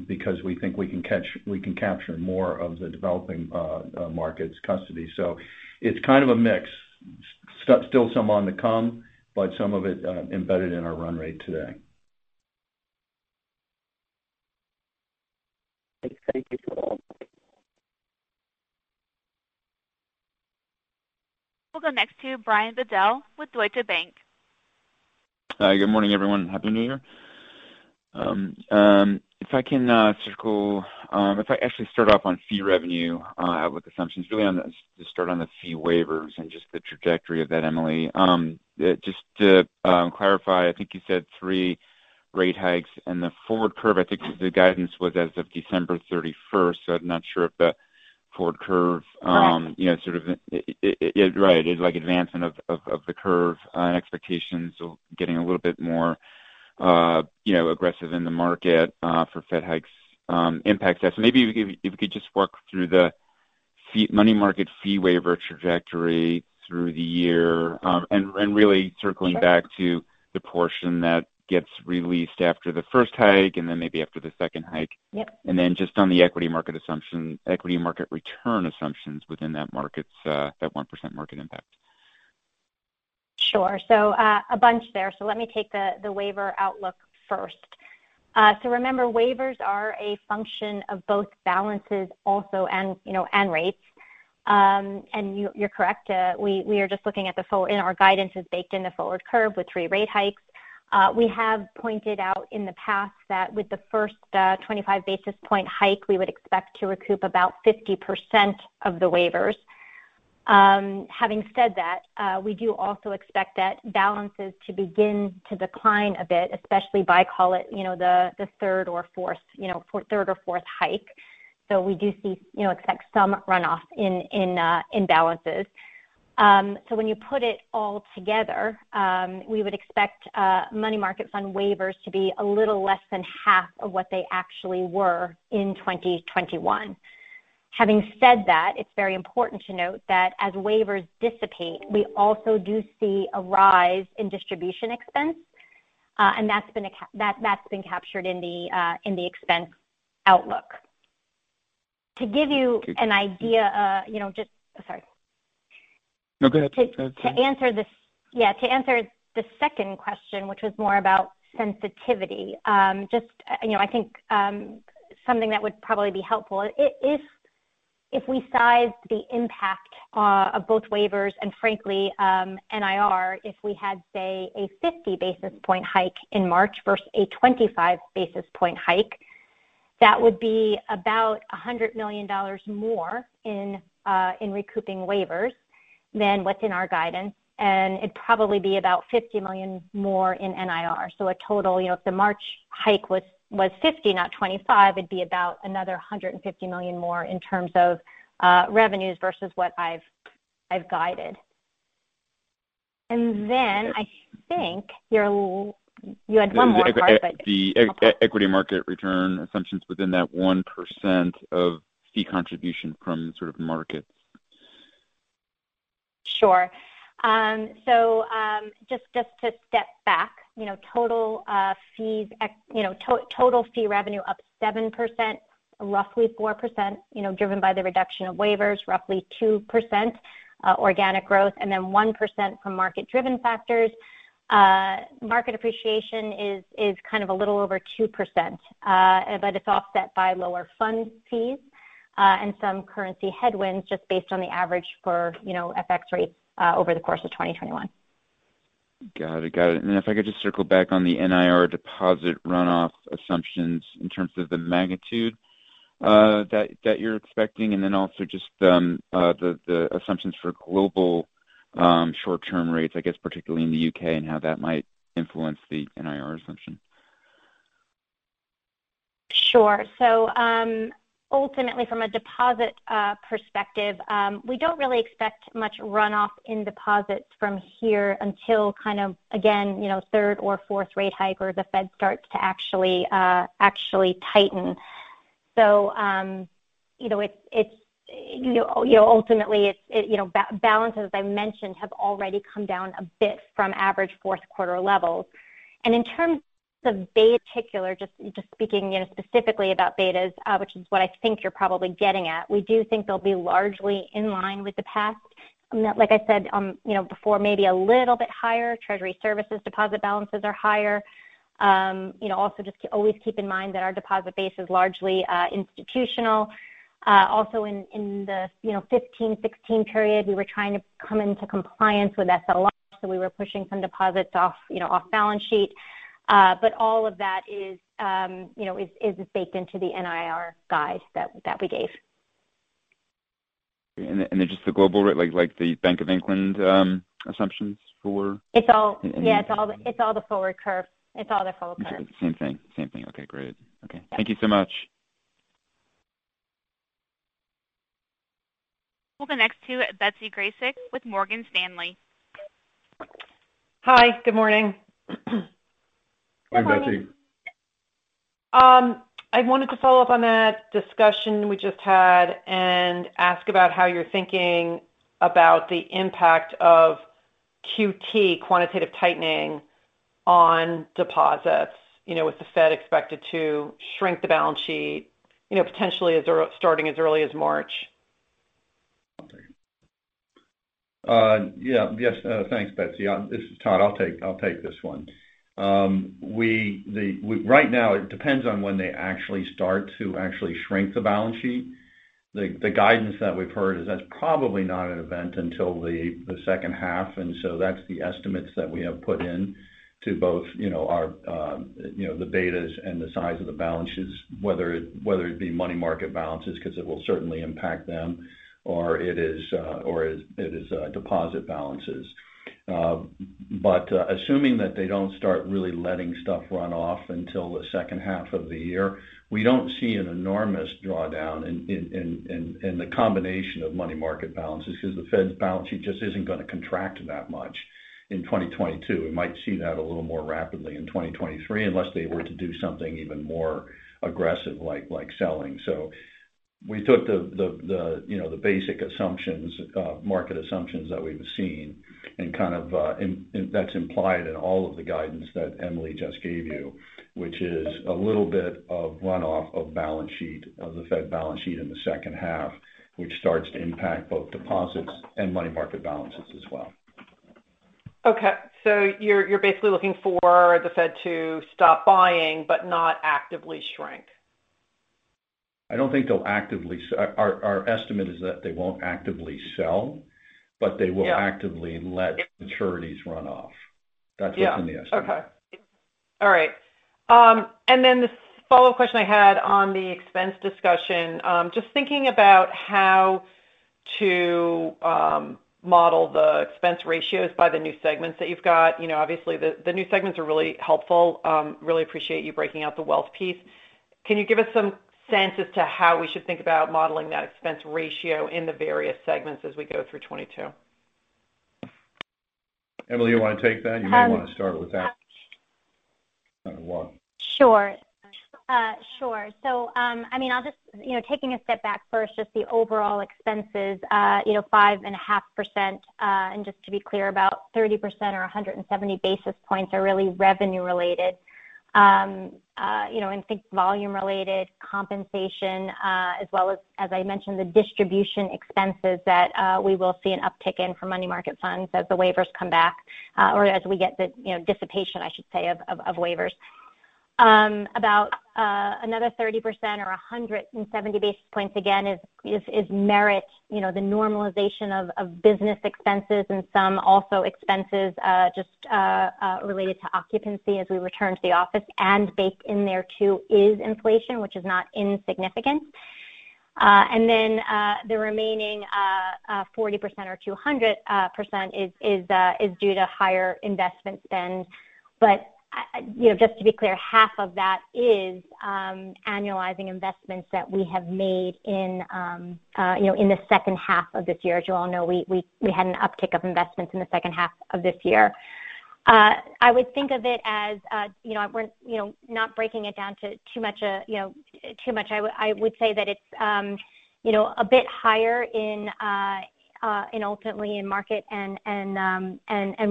because we think we can capture more of the developing markets custody. It's kind of a mix. Still some one to come, but some of it embedded in our run rate today. Thank you for all. We'll go next to Brian Bedell with Deutsche Bank. Hi, good morning, everyone. Happy New Year. If I actually start off on fee revenue with assumptions really on the, to start on the fee waivers and just the trajectory of that, Emily. Just to clarify, I think you said three rate hikes and the forward curve. I think the guidance was as of December thirty-first. I'm not sure if the forward curve, you know, sort of it, right. Like, advancement of the curve and expectations of getting a little bit more, you know, aggressive in the market for Fed hikes impact that. Maybe if you could just walk through the money market fee waiver trajectory through the year, and really circling back to the portion that gets released after the first hike and then maybe after the second hike. Yep. Just on the equity market assumption, equity market return assumptions within that markets, that 1% market impact. Sure. A bunch there. Let me take the waiver outlook first. Remember, waivers are a function of both balances also and, you know, and rates. You are correct, we are just looking at the forward curve, and our guidance is baked in the forward curve with three rate hikes. We have pointed out in the past that with the first 25 basis point hike, we would expect to recoup about 50% of the waivers. Having said that, we do also expect that balances to begin to decline a bit, especially by, call it, you know, the third or fourth, you know, third or fourth hike. We do, you know, expect some runoff in balances. When you put it all together, we would expect money market fund waivers to be a little less than half of what they actually were in 2021. Having said that, it's very important to note that as waivers dissipate, we also do see a rise in distribution expense. That's been captured in the expense outlook. No, go ahead. To answer the second question, which was more about sensitivity. Just, you know, I think something that would probably be helpful if we sized the impact of both waivers and frankly, NIR, if we had, say, a 50 basis points hike in March versus a 25 basis points hike, that would be about $100 million more in recouping waivers than what's in our guidance, and it'd probably be about $50 million more in NIR. A total, you know, if the March hike was 50, not 25, it'd be about another $150 million more in terms of revenues versus what I've guided. I think you had one more part but The equity market return assumptions within that 1% of fee contribution from sort of markets. Sure. So just to step back, you know, total fee revenue up 7%, roughly 4% driven by the reduction of waivers, roughly 2% organic growth, and then 1% from market-driven factors. Market appreciation is kind of a little over 2%. But it's offset by lower fund fees and some currency headwinds just based on the average for, you know, FX rates over the course of 2021. Got it. Then if I could just circle back on the NIR deposit runoff assumptions in terms of the magnitude that you're expecting, and then also just the assumptions for global short-term rates, I guess particularly in the U.K., and how that might influence the NIR assumption. Sure. Ultimately from a deposit perspective, we don't really expect much runoff in deposits from here until kind of again, you know, third or fourth rate hike or the Fed starts to actually tighten. You know, it's ultimately it's, you know, balances, as I mentioned, have already come down a bit from average fourth quarter levels. In terms of betas, particularly, just speaking, you know, specifically about betas, which is what I think you're probably getting at. We do think they'll be largely in line with the past. Like I said, you know, before, maybe a little bit higher. Treasury Services deposit balances are higher. You know, also just always keep in mind that our deposit base is largely institutional. Also in the 15, 16 period, we were trying to come into compliance with SLR, so we were pushing some deposits off, you know, off balance sheet. But all of that is, you know, baked into the NIR guide that we gave. Just the global rate, like the Bank of England assumptions for- Yeah, it's all the forward curve. It's all the forward curve. Okay. Same thing. Okay, great. Okay. Thank you so much. We'll go next to Betsy Graseck with Morgan Stanley. Hi. Good morning. Hi, Betsy. I wanted to follow up on that discussion we just had and ask about how you're thinking about the impact of QT, quantitative tightening, on deposits. You know, with the Fed expected to shrink the balance sheet, you know, potentially as early as March. Yes. Thanks, Betsy. This is Todd. I'll take this one. Right now, it depends on when they actually start to actually shrink the balance sheet. The guidance that we've heard is that's probably not an event until the second half. That's the estimates that we have put in to both, you know, our, you know, the betas and the size of the balances, whether it be money market balances because it will certainly impact them, or deposit balances. Assuming that they don't start really letting stuff run off until the second half of the year, we don't see an enormous drawdown in the combination of money market balances because the Fed's balance sheet just isn't gonna contract that much in 2022. We might see that a little more rapidly in 2023 unless they were to do something even more aggressive like selling. We took the you know the basic market assumptions that we've seen and kind of that's implied in all of the guidance that Emily just gave you, which is a little bit of runoff of the Fed balance sheet in the second half, which starts to impact both deposits and money market balances as well. Okay. You're basically looking for the Fed to stop buying but not actively shrink. Our estimate is that they won't actively sell. Yeah. They will actively let maturities run off. Yeah. That's what's in the estimate. Okay. All right. The follow-up question I had on the expense discussion, just thinking about how to model the expense ratios by the new segments that you've got. You know, obviously, the new segments are really helpful. Really appreciate you breaking out the wealth piece. Can you give us some sense as to how we should think about modeling that expense ratio in the various segments as we go through 2022? Emily, you wanna take that? Um. You may wanna start with that one. Sure. Sure. I mean, I'll just, you know, taking a step back first, just the overall expenses, you know, 5.5%. Just to be clear, about 30% or 170 basis points are really revenue related. You know, and think volume related compensation, as well as I mentioned, the distribution expenses that we will see an uptick in for money market funds as the waivers come back, or as we get the, you know, dissipation, I should say, of waivers. About another 30% or 170 basis points, again, is merit, you know, the normalization of business expenses and some G&A expenses, just related to occupancy as we return to the office. Baked in there too is inflation, which is not insignificant. The remaining 40% or 200% is due to higher investment spend. Just to be clear, half of that is annualizing investments that we have made in the second half of this year. As you all know, we had an uptick of investments in the second half of this year. I would think of it as we're not breaking it down too much. I would say that it's, you know, a bit higher in ultimately in Market and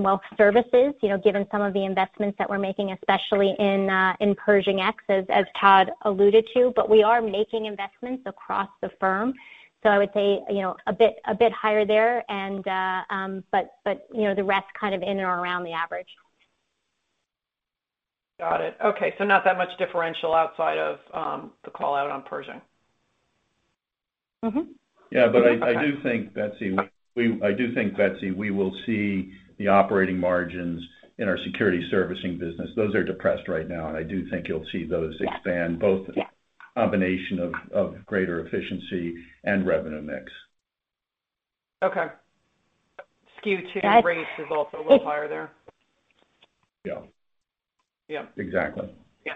Wealth Services, you know, given some of the investments that we're making, especially in Pershing X, as Todd alluded to. We are making investments across the firm. I would say, you know, a bit higher there, but, you know, the rest kind of in or around the average. Got it. Okay. Not that much differential outside of the call-out on Pershing. Mm-hmm. Yeah. I do think, Betsy, we will see the operating margins in our Securities Services business. Those are depressed right now, and I do think you'll see those. Yeah. -expand both- Yeah. combination of greater efficiency and revenue mix. Okay. Skew two rates is also a little higher there. Yeah. Yeah. Exactly. Yeah.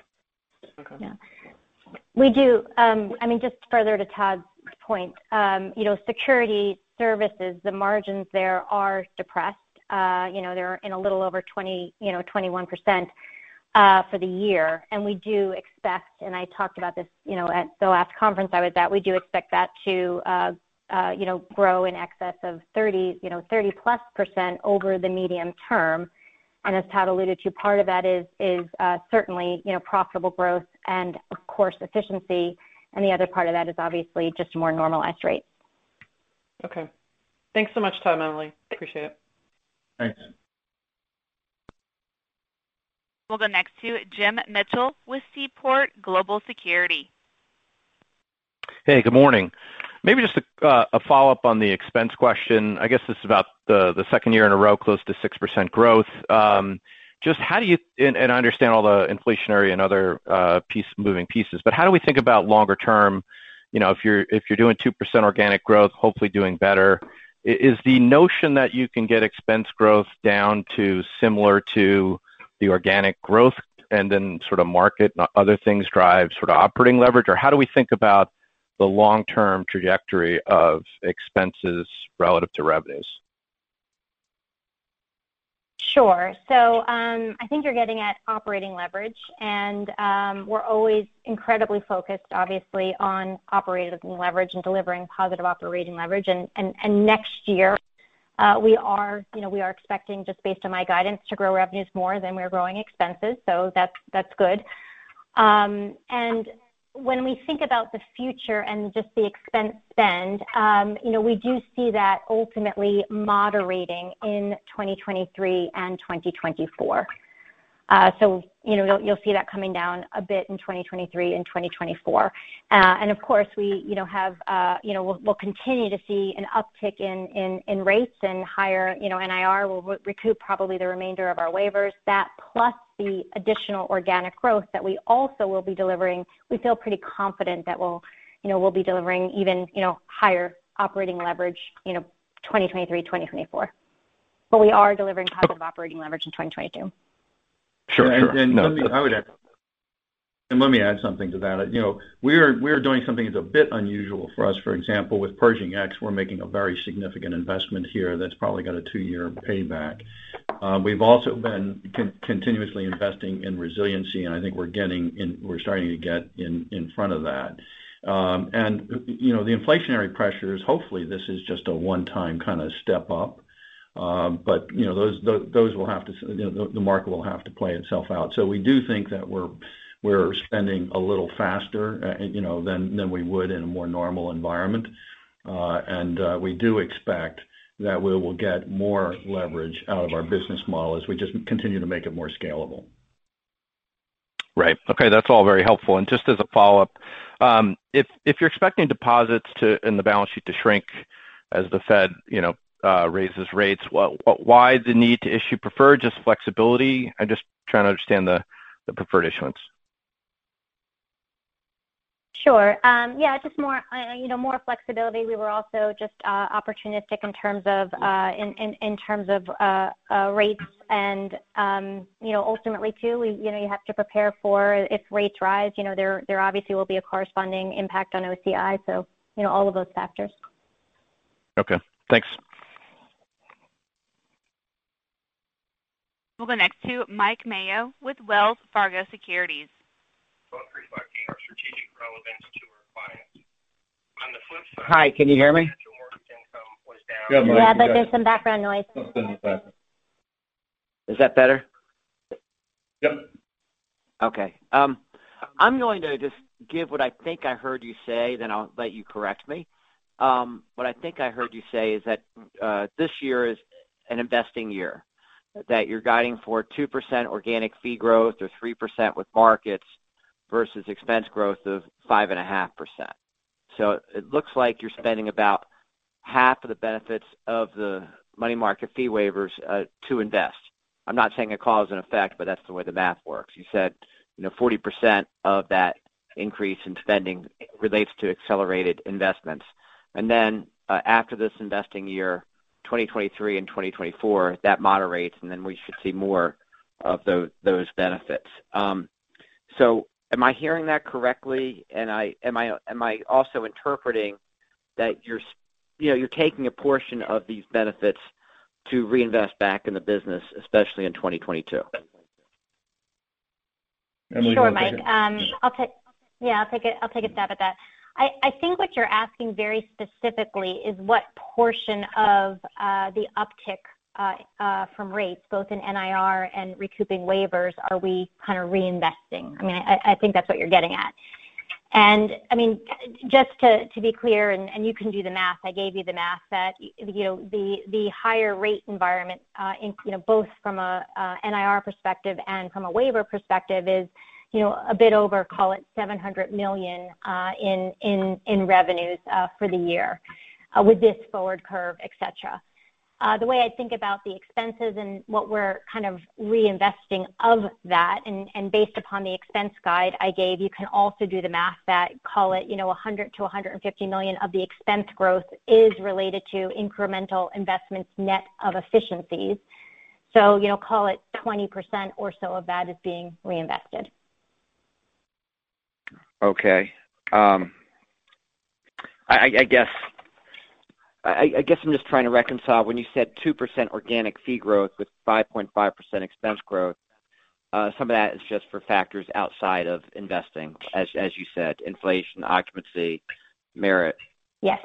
Okay. Yeah. We do. I mean, just further to Todd's point, you know, Securities Services, the margins there are depressed. You know, they're in a little over 21% for the year. We do expect, and I talked about this, you know, at the last conference I was at, we do expect that to, you know, grow in excess of 30%+ over the medium term. As Todd alluded to, part of that is certainly, you know, profitable growth and of course, efficiency. The other part of that is obviously just more normalized rates. Okay. Thanks so much, Todd and Emily. Appreciate it. Thanks. We'll go next to Jim Mitchell with Seaport Global Securities. Hey, good morning. Maybe just a follow-up on the expense question. I guess this is about the second year in a row, close to 6% growth. Just how do you and I understand all the inflationary and other moving pieces, but how do we think about longer term? You know, if you're doing 2% organic growth, hopefully doing better, is the notion that you can get expense growth down to similar to the organic growth and then sort of market and other things drive sort of operating leverage? Or how do we think about the long-term trajectory of expenses relative to revenues? Sure. I think you're getting at operating leverage. We're always incredibly focused, obviously, on operating leverage and delivering positive operating leverage. Next year, you know, we are expecting, just based on my guidance, to grow revenues more than we're growing expenses. That's good. When we think about the future and just the expense spend, you know, we do see that ultimately moderating in 2023 and 2024. You know, you'll see that coming down a bit in 2023 and 2024. Of course, you know, we continue to see an uptick in rates and higher, you know, NIR. We'll recoup probably the remainder of our waivers. That plus the additional organic growth that we also will be delivering, we feel pretty confident that we'll, you know, we'll be delivering even, you know, higher operating leverage, you know, 2023, 2024. We are delivering positive operating leverage in 2022. Sure. Sure. I would add. Let me add something to that. You know, we're doing something that's a bit unusual for us. For example, with Pershing X, we're making a very significant investment here that's probably got a two-year payback. We've also been continuously investing in resiliency, and I think we're starting to get in front of that. You know, the inflationary pressures, hopefully this is just a one-time kind of step up. But you know, those will have to, you know, the market will have to play itself out. We do think that we're spending a little faster, you know, than we would in a more normal environment. We do expect that we will get more leverage out of our business model as we just continue to make it more scalable. Right. Okay. That's all very helpful. Just as a follow-up, if you're expecting deposits in the balance sheet to shrink as the Fed raises rates, why the need to issue preferred, just flexibility? I'm just trying to understand the preferred issuance. Sure. Yeah, just more, you know, more flexibility. We were also just opportunistic in terms of rates. You know, ultimately too, we, you know, you have to prepare for if rates rise, you know, there obviously will be a corresponding impact on OCI, so, you know, all of those factors. Okay, thanks. We'll go next to Mike Mayo with Wells Fargo Securities. Strategic relevance to our clients. On the flip side. Hi, can you hear me? Yeah, there's some background noise. Is that better? Yep. Okay. I'm going to just give what I think I heard you say, then I'll let you correct me. What I think I heard you say is that this year is an investing year, that you're guiding for 2% organic fee growth or 3% with markets versus expense growth of 5.5%. It looks like you're spending about half of the benefits of the money market fee waivers to invest. I'm not saying a cause and effect, but that's the way the math works. You said, you know, 40% of that increase in spending relates to accelerated investments. Then, after this investing year, 2023 and 2024, that moderates, and then we should see more of those benefits. Am I hearing that correctly? And I... Am I also interpreting that you're taking a portion of these benefits to reinvest back in the business, especially in 2022? Sure, Mike. I'll take a stab at that. I think what you're asking very specifically is what portion of the uptick from rates both in NIR and recouping waivers are we kind of reinvesting. I mean, I think that's what you're getting at. I mean, just to be clear, you can do the math. I gave you the math that you know, the higher rate environment in you know, both from a NIR perspective and from a waiver perspective is you know, a bit over, call it $700 million in revenues for the year with this forward curve, et cetera. The way I think about the expenses and what we're kind of reinvesting of that, and based upon the expense guide I gave, you can also do the math that call it, you know, $100 million-$150 million of the expense growth is related to incremental investments net of efficiencies. You know, call it 20% or so of that is being reinvested. Okay. I guess I'm just trying to reconcile when you said 2% organic fee growth with 5.5% expense growth, some of that is just for factors outside of investing, as you said, inflation, occupancy, merit- Yes.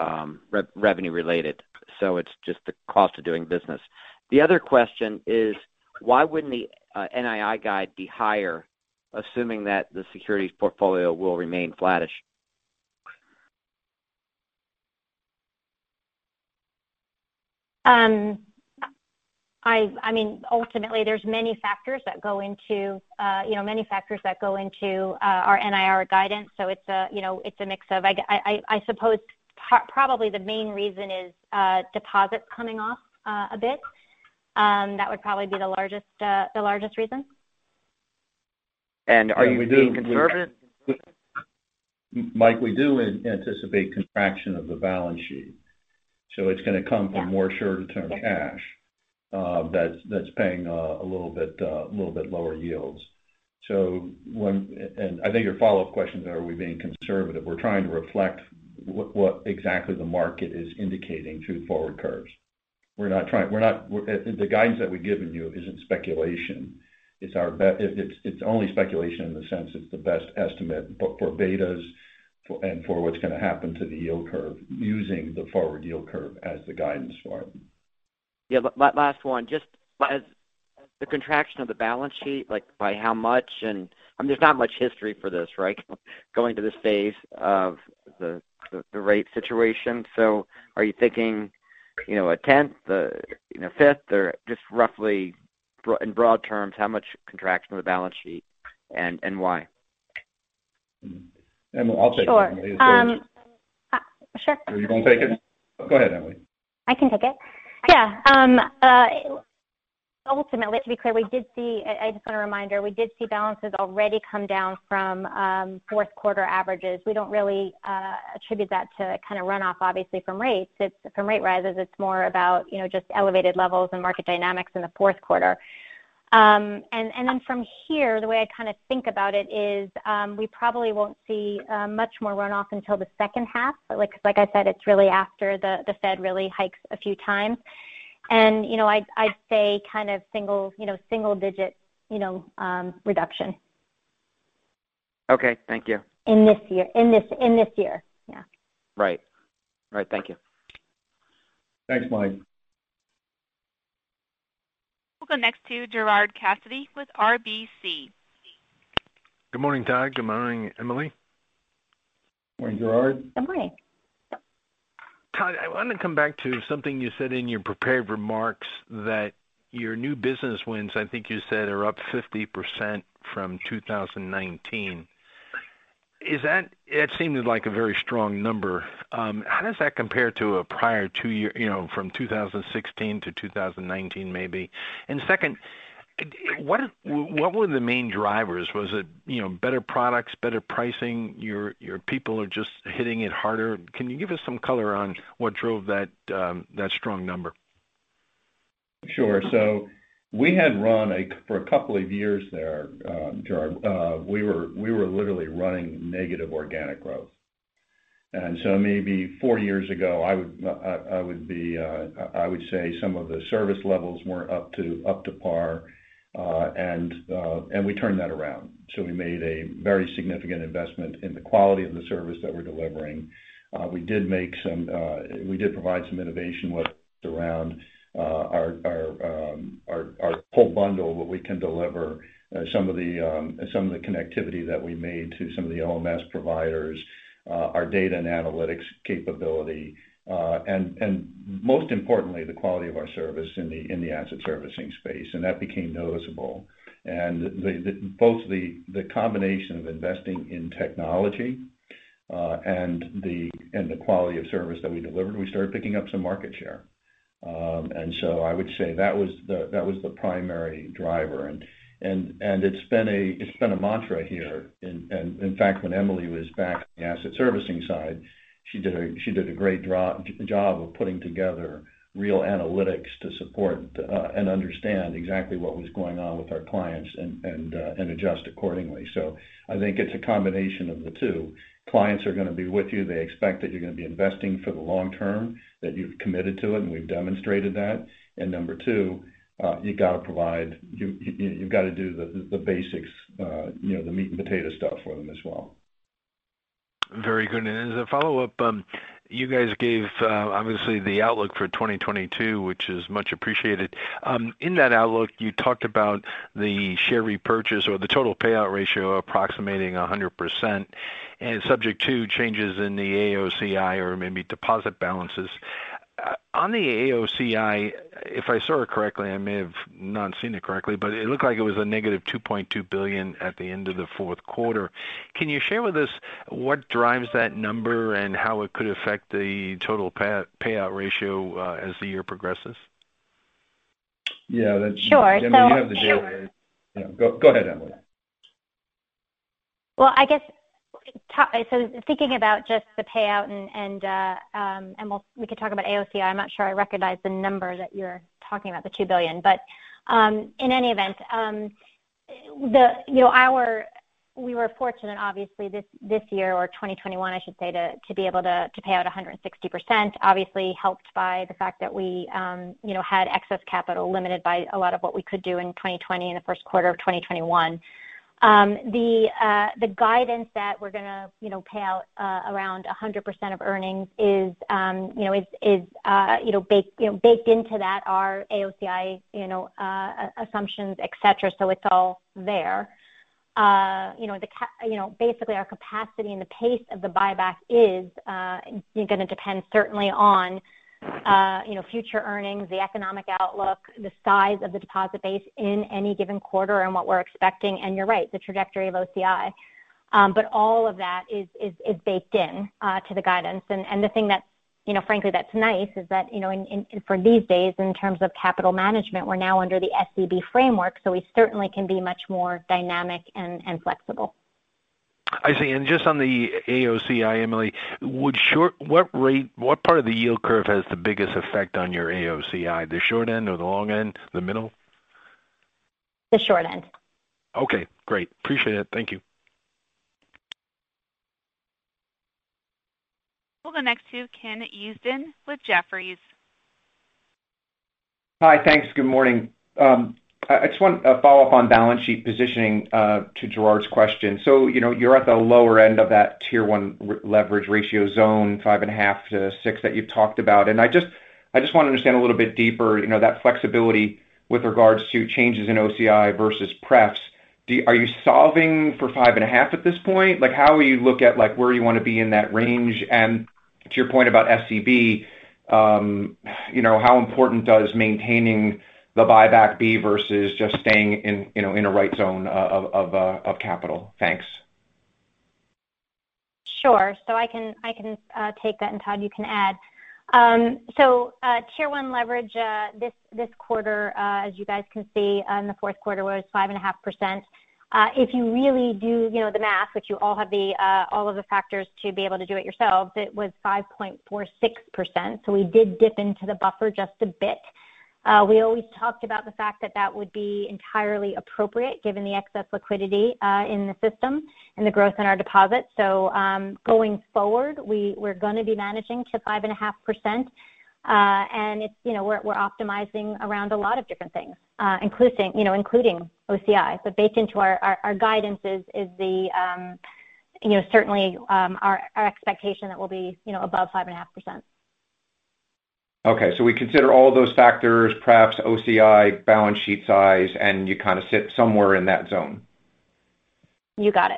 Revenue related. It's just the cost of doing business. The other question is, why wouldn't the NII guide be higher, assuming that the securities portfolio will remain flattish? I mean, ultimately, there's many factors that go into, you know, our NIR guidance. It's a mix of, I suppose probably the main reason is deposits coming off a bit. That would probably be the largest reason. Are you being conservative? Mike, we do anticipate contraction of the balance sheet, so it's gonna come from more shorter-term cash that's paying a little bit lower yields. I think your follow-up question is, are we being conservative? We're trying to reflect what exactly the market is indicating through forward curves. The guidance that we've given you isn't speculation. It's only speculation in the sense it's the best estimate for betas and for what's gonna happen to the yield curve using the forward yield curve as the guidance for it. Yeah. Last one. Just the contraction of the balance sheet, like by how much? I mean, there's not much history for this, right? Going to this phase of the rate situation. Are you thinking, you know, a tenth, a fifth? Or just roughly in broad terms, how much contraction of the balance sheet and why? Emily, I'll take that one. Sure. Are you gonna take it? Go ahead, Emily. I can take it. Yeah. Ultimately, to be clear, I just want to remind her, we did see balances already come down from fourth quarter averages. We don't really attribute that to kind of runoff, obviously, from rates. It's from rate rises. It's more about, you know, just elevated levels and market dynamics in the fourth quarter. Then from here, the way I kind of think about it is, we probably won't see much more runoff until the second half. Like I said, it's really after the Fed really hikes a few times. You know, I'd say kind of single digit reduction. Okay. Thank you. In this year. Yeah. Right. Right. Thank you. Thanks, Mike. We'll go next to Gerard Cassidy with RBC. Good morning, Todd. Good morning, Emily. Morning, Gerard. Good morning. Todd, I wanted to come back to something you said in your prepared remarks that your new business wins, I think you said, are up 50% from 2019. Is that—it seems like a very strong number. How does that compare to a prior two year, you know, from 2016 to 2019 maybe? And second, what were the main drivers? Was it, you know, better products, better pricing? Your people are just hitting it harder. Can you give us some color on what drove that strong number? Sure. We had run for a couple of years there, Gerard, we were literally running negative organic growth. Maybe four years ago, I would say some of the service levels weren't up to par, and we turned that around. We made a very significant investment in the quality of the service that we're delivering. We provided some innovation with around our whole bundle, what we can deliver, some of the connectivity that we made to some of the OMS providers, our data and analytics capability, and most importantly, the quality of our service in the asset servicing space. That became noticeable. Both the combination of investing in technology and the quality of service that we delivered, we started picking up some market share. I would say that was the primary driver. It's been a mantra here. In fact, when Emily was back in the Asset Servicing side, she did a great job of putting together real analytics to support and understand exactly what was going on with our clients and adjust accordingly. I think it's a combination of the two. Clients are gonna be with you. They expect that you're gonna be investing for the long term, that you've committed to it, and we've demonstrated that. Number two, you've got to do the basics, you know, the meat and potato stuff for them as well. Very good. As a follow-up, you guys gave, obviously the outlook for 2022, which is much appreciated. In that outlook, you talked about the share repurchase or the total payout ratio approximating 100% and subject to changes in the AOCI or maybe deposit balances. On the AOCI, if I saw it correctly, I may have not seen it correctly, but it looked like it was a negative $2.2 billion at the end of the fourth quarter. Can you share with us what drives that number and how it could affect the total payout ratio, as the year progresses? Yeah. Sure. Emily, you have the daily. Go ahead, Emily. Well, I guess so thinking about just the payout, we can talk about AOCI. I'm not sure I recognize the number that you're talking about, the $2 billion. But in any event, you know, we were fortunate obviously this year or 2021, I should say, to be able to pay out 160%, obviously helped by the fact that we, you know, had excess capital limited by a lot of what we could do in 2020 and the first quarter of 2021. The guidance that we're gonna pay out around 100% of earnings is, you know, baked into that, are AOCI assumptions, et cetera. It's all there. You know, basically our capacity and the pace of the buyback is gonna depend certainly on you know, future earnings, the economic outlook, the size of the deposit base in any given quarter and what we're expecting, and you're right, the trajectory of OCI. But all of that is baked in to the guidance. The thing that, you know, frankly, that's nice is that, you know, for these days, in terms of capital management, we're now under the SCB framework, so we certainly can be much more dynamic and flexible. I see. Just on the AOCI, Emily, what part of the yield curve has the biggest effect on your AOCI? The short end or the long end? The middle? The short end. Okay, great. Appreciate it. Thank you. We'll go next to Ken Usdin with Jefferies. Hi. Thanks. Good morning. I just want a follow-up on balance sheet positioning to Gerard's question. You know, you're at the lower end of that Tier 1 leverage ratio zone 5.5%-6% that you've talked about. I just wanna understand a little bit deeper, you know, that flexibility with regards to changes in OCI versus Prefs. Are you solving for 5.5% at this point? Like, how will you look at, like, where you wanna be in that range? To your point about SCB, you know, how important does maintaining the buyback be versus just staying in, you know, in a right zone of capital? Thanks. Sure. I can take that, and Todd, you can add. Tier 1 leverage this quarter, as you guys can see on the fourth quarter was 5.5%. If you really do the math, which you all have all of the factors to be able to do it yourselves, it was 5.46%. We did dip into the buffer just a bit. We always talked about the fact that that would be entirely appropriate given the excess liquidity in the system and the growth in our deposits. Going forward, we're gonna be managing to 5.5%. It's, you know, we're optimizing around a lot of different things, including OCI. Baked into our guidance is the, you know, certainly, our expectation that we'll be, you know, above 5.5%. Okay. We consider all those factors, perhaps OCI, balance sheet size, and you kind of sit somewhere in that zone. You got it.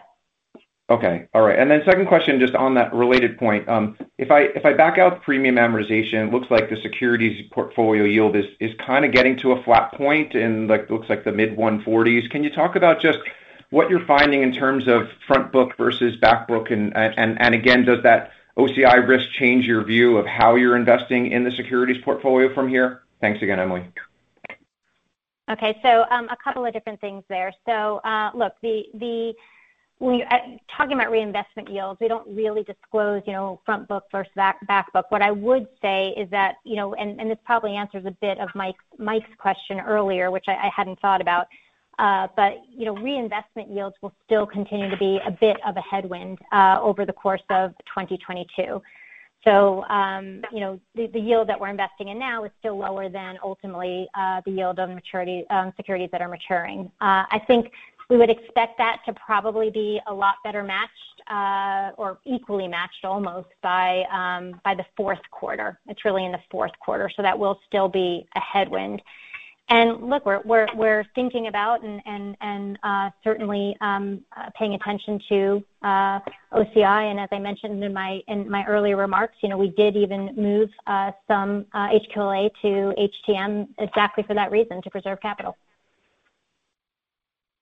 Okay. All right. Second question, just on that related point, if I back out premium amortization, it looks like the securities portfolio yield is kind of getting to a flat point and, like, looks like the mid-140s. Can you talk about just what you're finding in terms of front book versus back book? And again, does that OCI risk change your view of how you're investing in the securities portfolio from here? Thanks again, Emily. Okay. A couple of different things there. Look, when talking about reinvestment yields, we don't really disclose, you know, front book versus back book. What I would say is that, you know, this probably answers a bit of Mike's question earlier, which I hadn't thought about. You know, reinvestment yields will still continue to be a bit of a headwind over the course of 2022. The yield that we're investing in now is still lower than ultimately the yield on maturing securities that are maturing. I think we would expect that to probably be a lot better matched or equally matched almost by the fourth quarter. It's really in the fourth quarter, that will still be a headwind. Look, we're thinking about and certainly paying attention to OCI. As I mentioned in my earlier remarks, you know, we did even move some HQLA to HTM exactly for that reason, to preserve capital.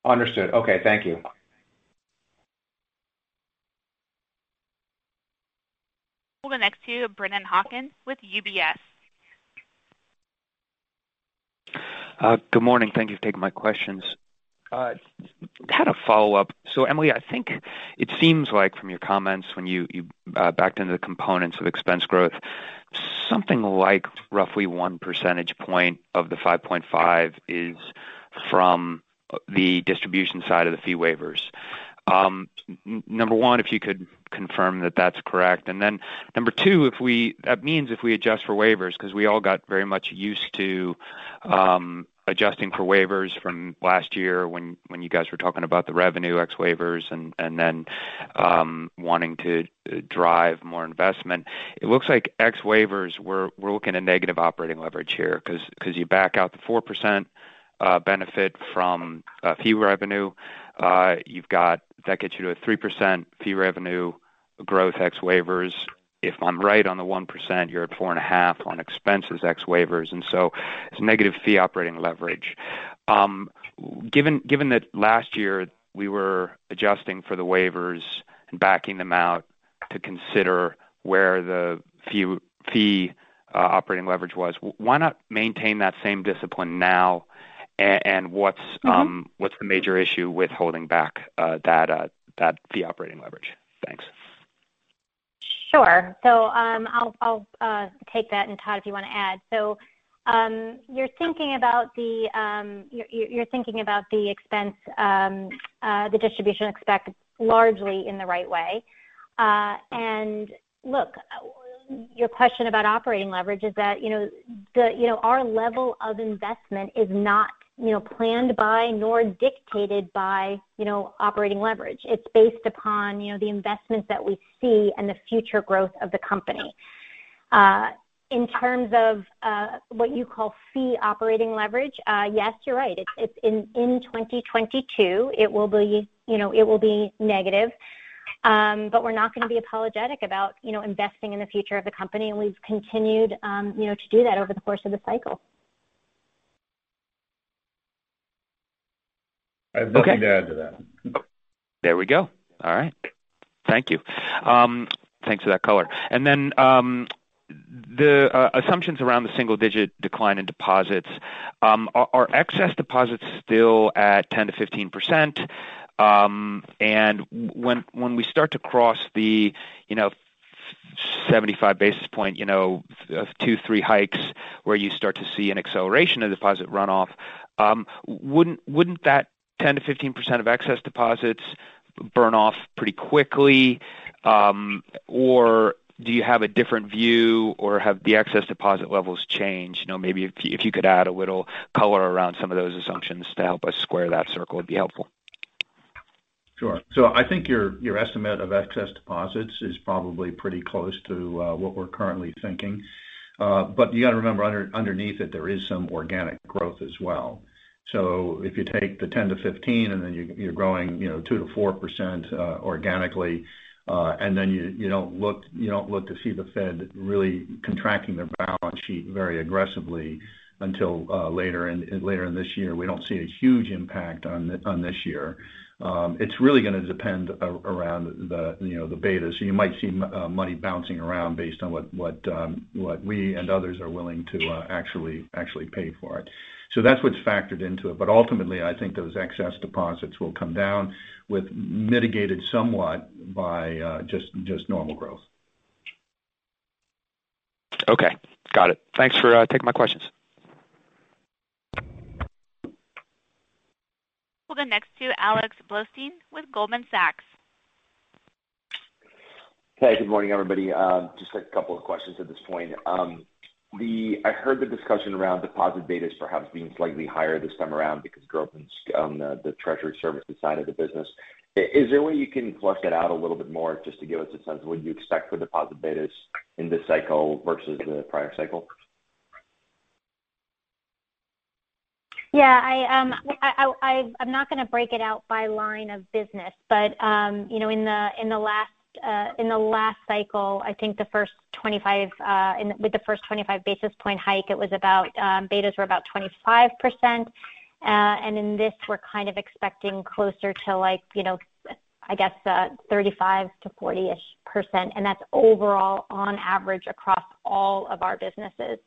Understood. Okay. Thank you. We'll go next to Brennan Hawken with UBS. Good morning. Thank you for taking my questions. Kind of follow up. Emily, I think it seems like from your comments when you backed into the components of expense growth, something like roughly 1 percentage point of the 5.5 is from the distribution side of the fee waivers. Number one, if you could confirm that that's correct. Number two, that means if we adjust for waivers, because we all got very much used to adjusting for waivers from last year when you guys were talking about the revenue ex waivers and then wanting to drive more investment. It looks like ex waivers, we're looking at negative operating leverage here because you back out the 4% benefit from fee revenue. You've got... That gets you to 3% fee revenue growth ex waivers. If I'm right on the 1%, you're at 4.5 on expenses ex waivers, and so it's negative fee operating leverage. Given that last year we were adjusting for the waivers and backing them out to consider where the fee operating leverage was, why not maintain that same discipline now? And what's- Mm-hmm. What's the major issue with holding back that fee operating leverage? Thanks. Sure. I'll take that, and Todd, if you wanna add. You're thinking about the expense, the distribution expense largely in the right way. Look, your question about operating leverage is that, you know, the, you know, our level of investment is not, you know, planned by nor dictated by, you know, operating leverage. It's based upon, you know, the investments that we see and the future growth of the company. In terms of what you call fee operating leverage, yes, you're right. It's in 2022, it will be, you know, it will be negative. We're not gonna be apologetic about, you know, investing in the future of the company, and we've continued, you know, to do that over the course of the cycle. I have nothing to add to that. There we go. All right. Thank you. Thanks for that color. The assumptions around the single-digit decline in deposits, are excess deposits still at 10%-15%? When we start to cross the, you know, 75 basis points, you know, two, three hikes where you start to see an acceleration of deposit runoff, wouldn't that 10%-15% of excess deposits burn off pretty quickly, or do you have a different view or have the excess deposit levels changed? You know, maybe if you could add a little color around some of those assumptions to help us square that circle would be helpful. Sure. I think your estimate of excess deposits is probably pretty close to what we're currently thinking. But you got to remember underneath it there is some organic growth as well. If you take the 10-15 and then you're growing, you know, 2%-4% organically, and then you don't look to see the Fed really contracting their balance sheet very aggressively until later in this year. We don't see a huge impact on this year. It's really gonna depend on the betas. You might see money bouncing around based on what we and others are willing to actually pay for it. That's what's factored into it. Ultimately, I think those excess deposits will come down, with it mitigated somewhat by just normal growth. Okay. Got it. Thanks for taking my questions. We'll go next to Alex Blostein with Goldman Sachs. Hey, good morning, everybody. Just a couple of questions at this point. I heard the discussion around deposit betas perhaps being slightly higher this time around because growth on the treasury services side of the business. Is there a way you can flesh that out a little bit more just to give us a sense of what you expect for deposit betas in this cycle versus the prior cycle? Yeah. I'm not gonna break it out by line of business. You know, in the last cycle, I think with the first 25 basis point hike betas were about 25%. In this we're kind of expecting closer to like, you know, I guess 35%-40-ish%, and that's overall on average across all of our businesses.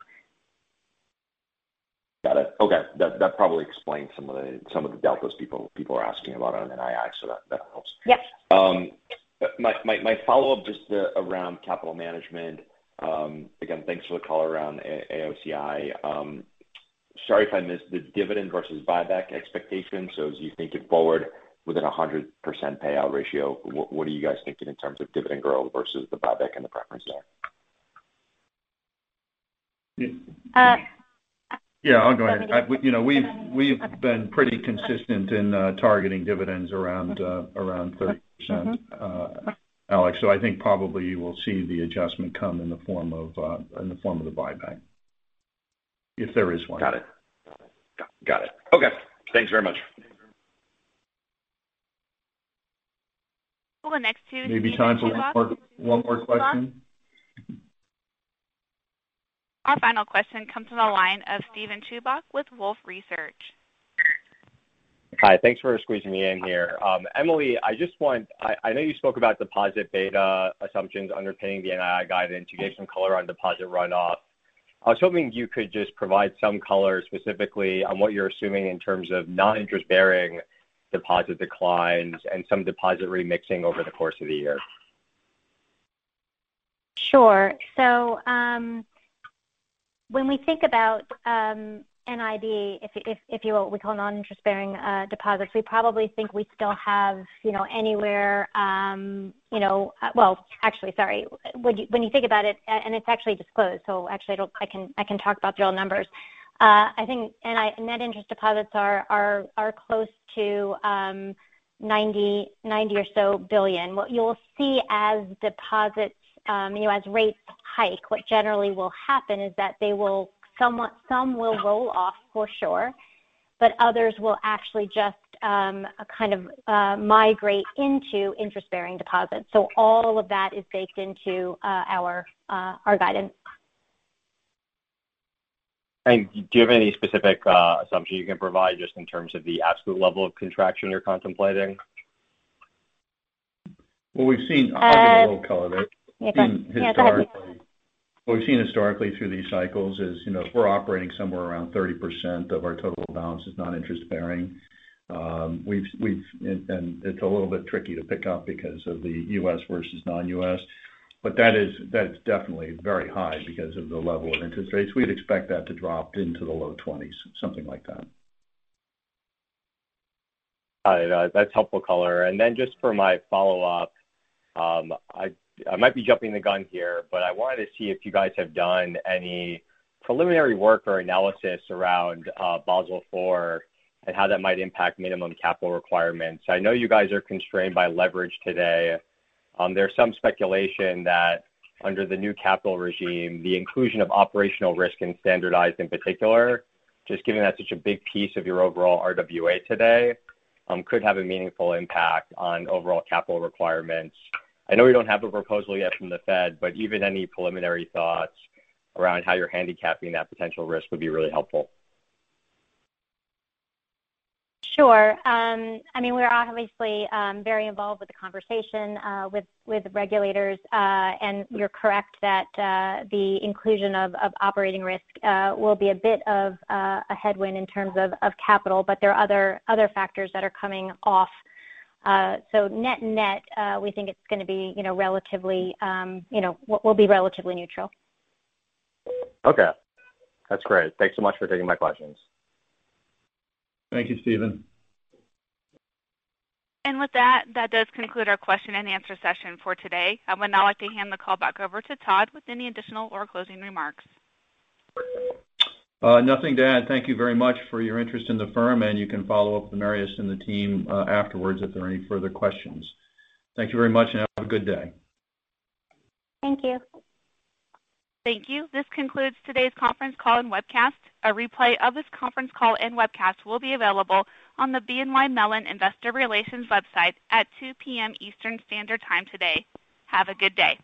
Got it. Okay. That probably explains some of the deltas people are asking about on NII, so that helps. Yes. My follow-up just around capital management. Again, thanks for the color around AOCI. Sorry if I missed the dividend versus buyback expectation. As you think it forward within a 100% payout ratio, what are you guys thinking in terms of dividend growth versus the buyback and the preference share? Yeah. I'll go ahead. You know, we've been pretty consistent in targeting dividends around 30%, Alex. I think probably you will see the adjustment come in the form of the buyback. If there is one. Got it. Okay. Thanks very much. We'll go next to Maybe time for one more question. Our final question comes from the line of Steven Chubak with Wolfe Research. Hi. Thanks for squeezing me in here. Emily, I know you spoke about deposit beta assumptions underpinning the NII guidance. You gave some color on deposit runoff. I was hoping you could just provide some color specifically on what you're assuming in terms of non-interest-bearing deposit declines and some deposit remixing over the course of the year. Sure. When we think about NIB, if you will, we call non-interest-bearing deposits. Well, actually, sorry. When you think about it, and it's actually disclosed, so actually I can talk about the real numbers. I think non-interest-bearing deposits are close to $90 billion or so. What you'll see as deposits as rates hike, what generally will happen is that some will roll off for sure, but others will actually just kind of migrate into interest-bearing deposits. All of that is baked into our guidance. Do you have any specific assumption you can provide just in terms of the absolute level of contraction you're contemplating? Well, we've seen. Uh. I'll give a little color there. Yeah, go ahead. What we've seen historically through these cycles is, you know, if we're operating somewhere around 30% of our total balance is non-interest-bearing. It's a little bit tricky to pick up because of the U.S. versus non-U.S., but that is definitely very high because of the level of interest rates. We'd expect that to drop into the low 20s, something like that. Got it. That's helpful color. Then just for my follow-up, I might be jumping the gun here, but I wanted to see if you guys have done any preliminary work or analysis around Basel IV and how that might impact minimum capital requirements. I know you guys are constrained by leverage today. There's some speculation that under the new capital regime, the inclusion of operational risk in standardized in particular, just given that's such a big piece of your overall RWA today, could have a meaningful impact on overall capital requirements. I know you don't have a proposal yet from the Fed, but even any preliminary thoughts around how you're handicapping that potential risk would be really helpful. Sure. I mean, we're obviously very involved with the conversation with regulators. You're correct that the inclusion of operational risk will be a bit of a headwind in terms of capital, but there are other factors that are coming off. Net-net, we think it's gonna be, you know, relatively what will be relatively neutral. Okay. That's great. Thanks so much for taking my questions. Thank you, Steven. With that does conclude our question and answer session for today. I would now like to hand the call back over to Todd with any additional or closing remarks. Nothing to add. Thank you very much for your interest in the firm, and you can follow up with Marius and the team, afterwards if there are any further questions. Thank you very much, and have a good day. Thank you. Thank you. This concludes today's conference call and webcast. A replay of this conference call and webcast will be available on the BNY Mellon Investor Relations website at 2:00 P.M. Eastern Standard Time today. Have a good day.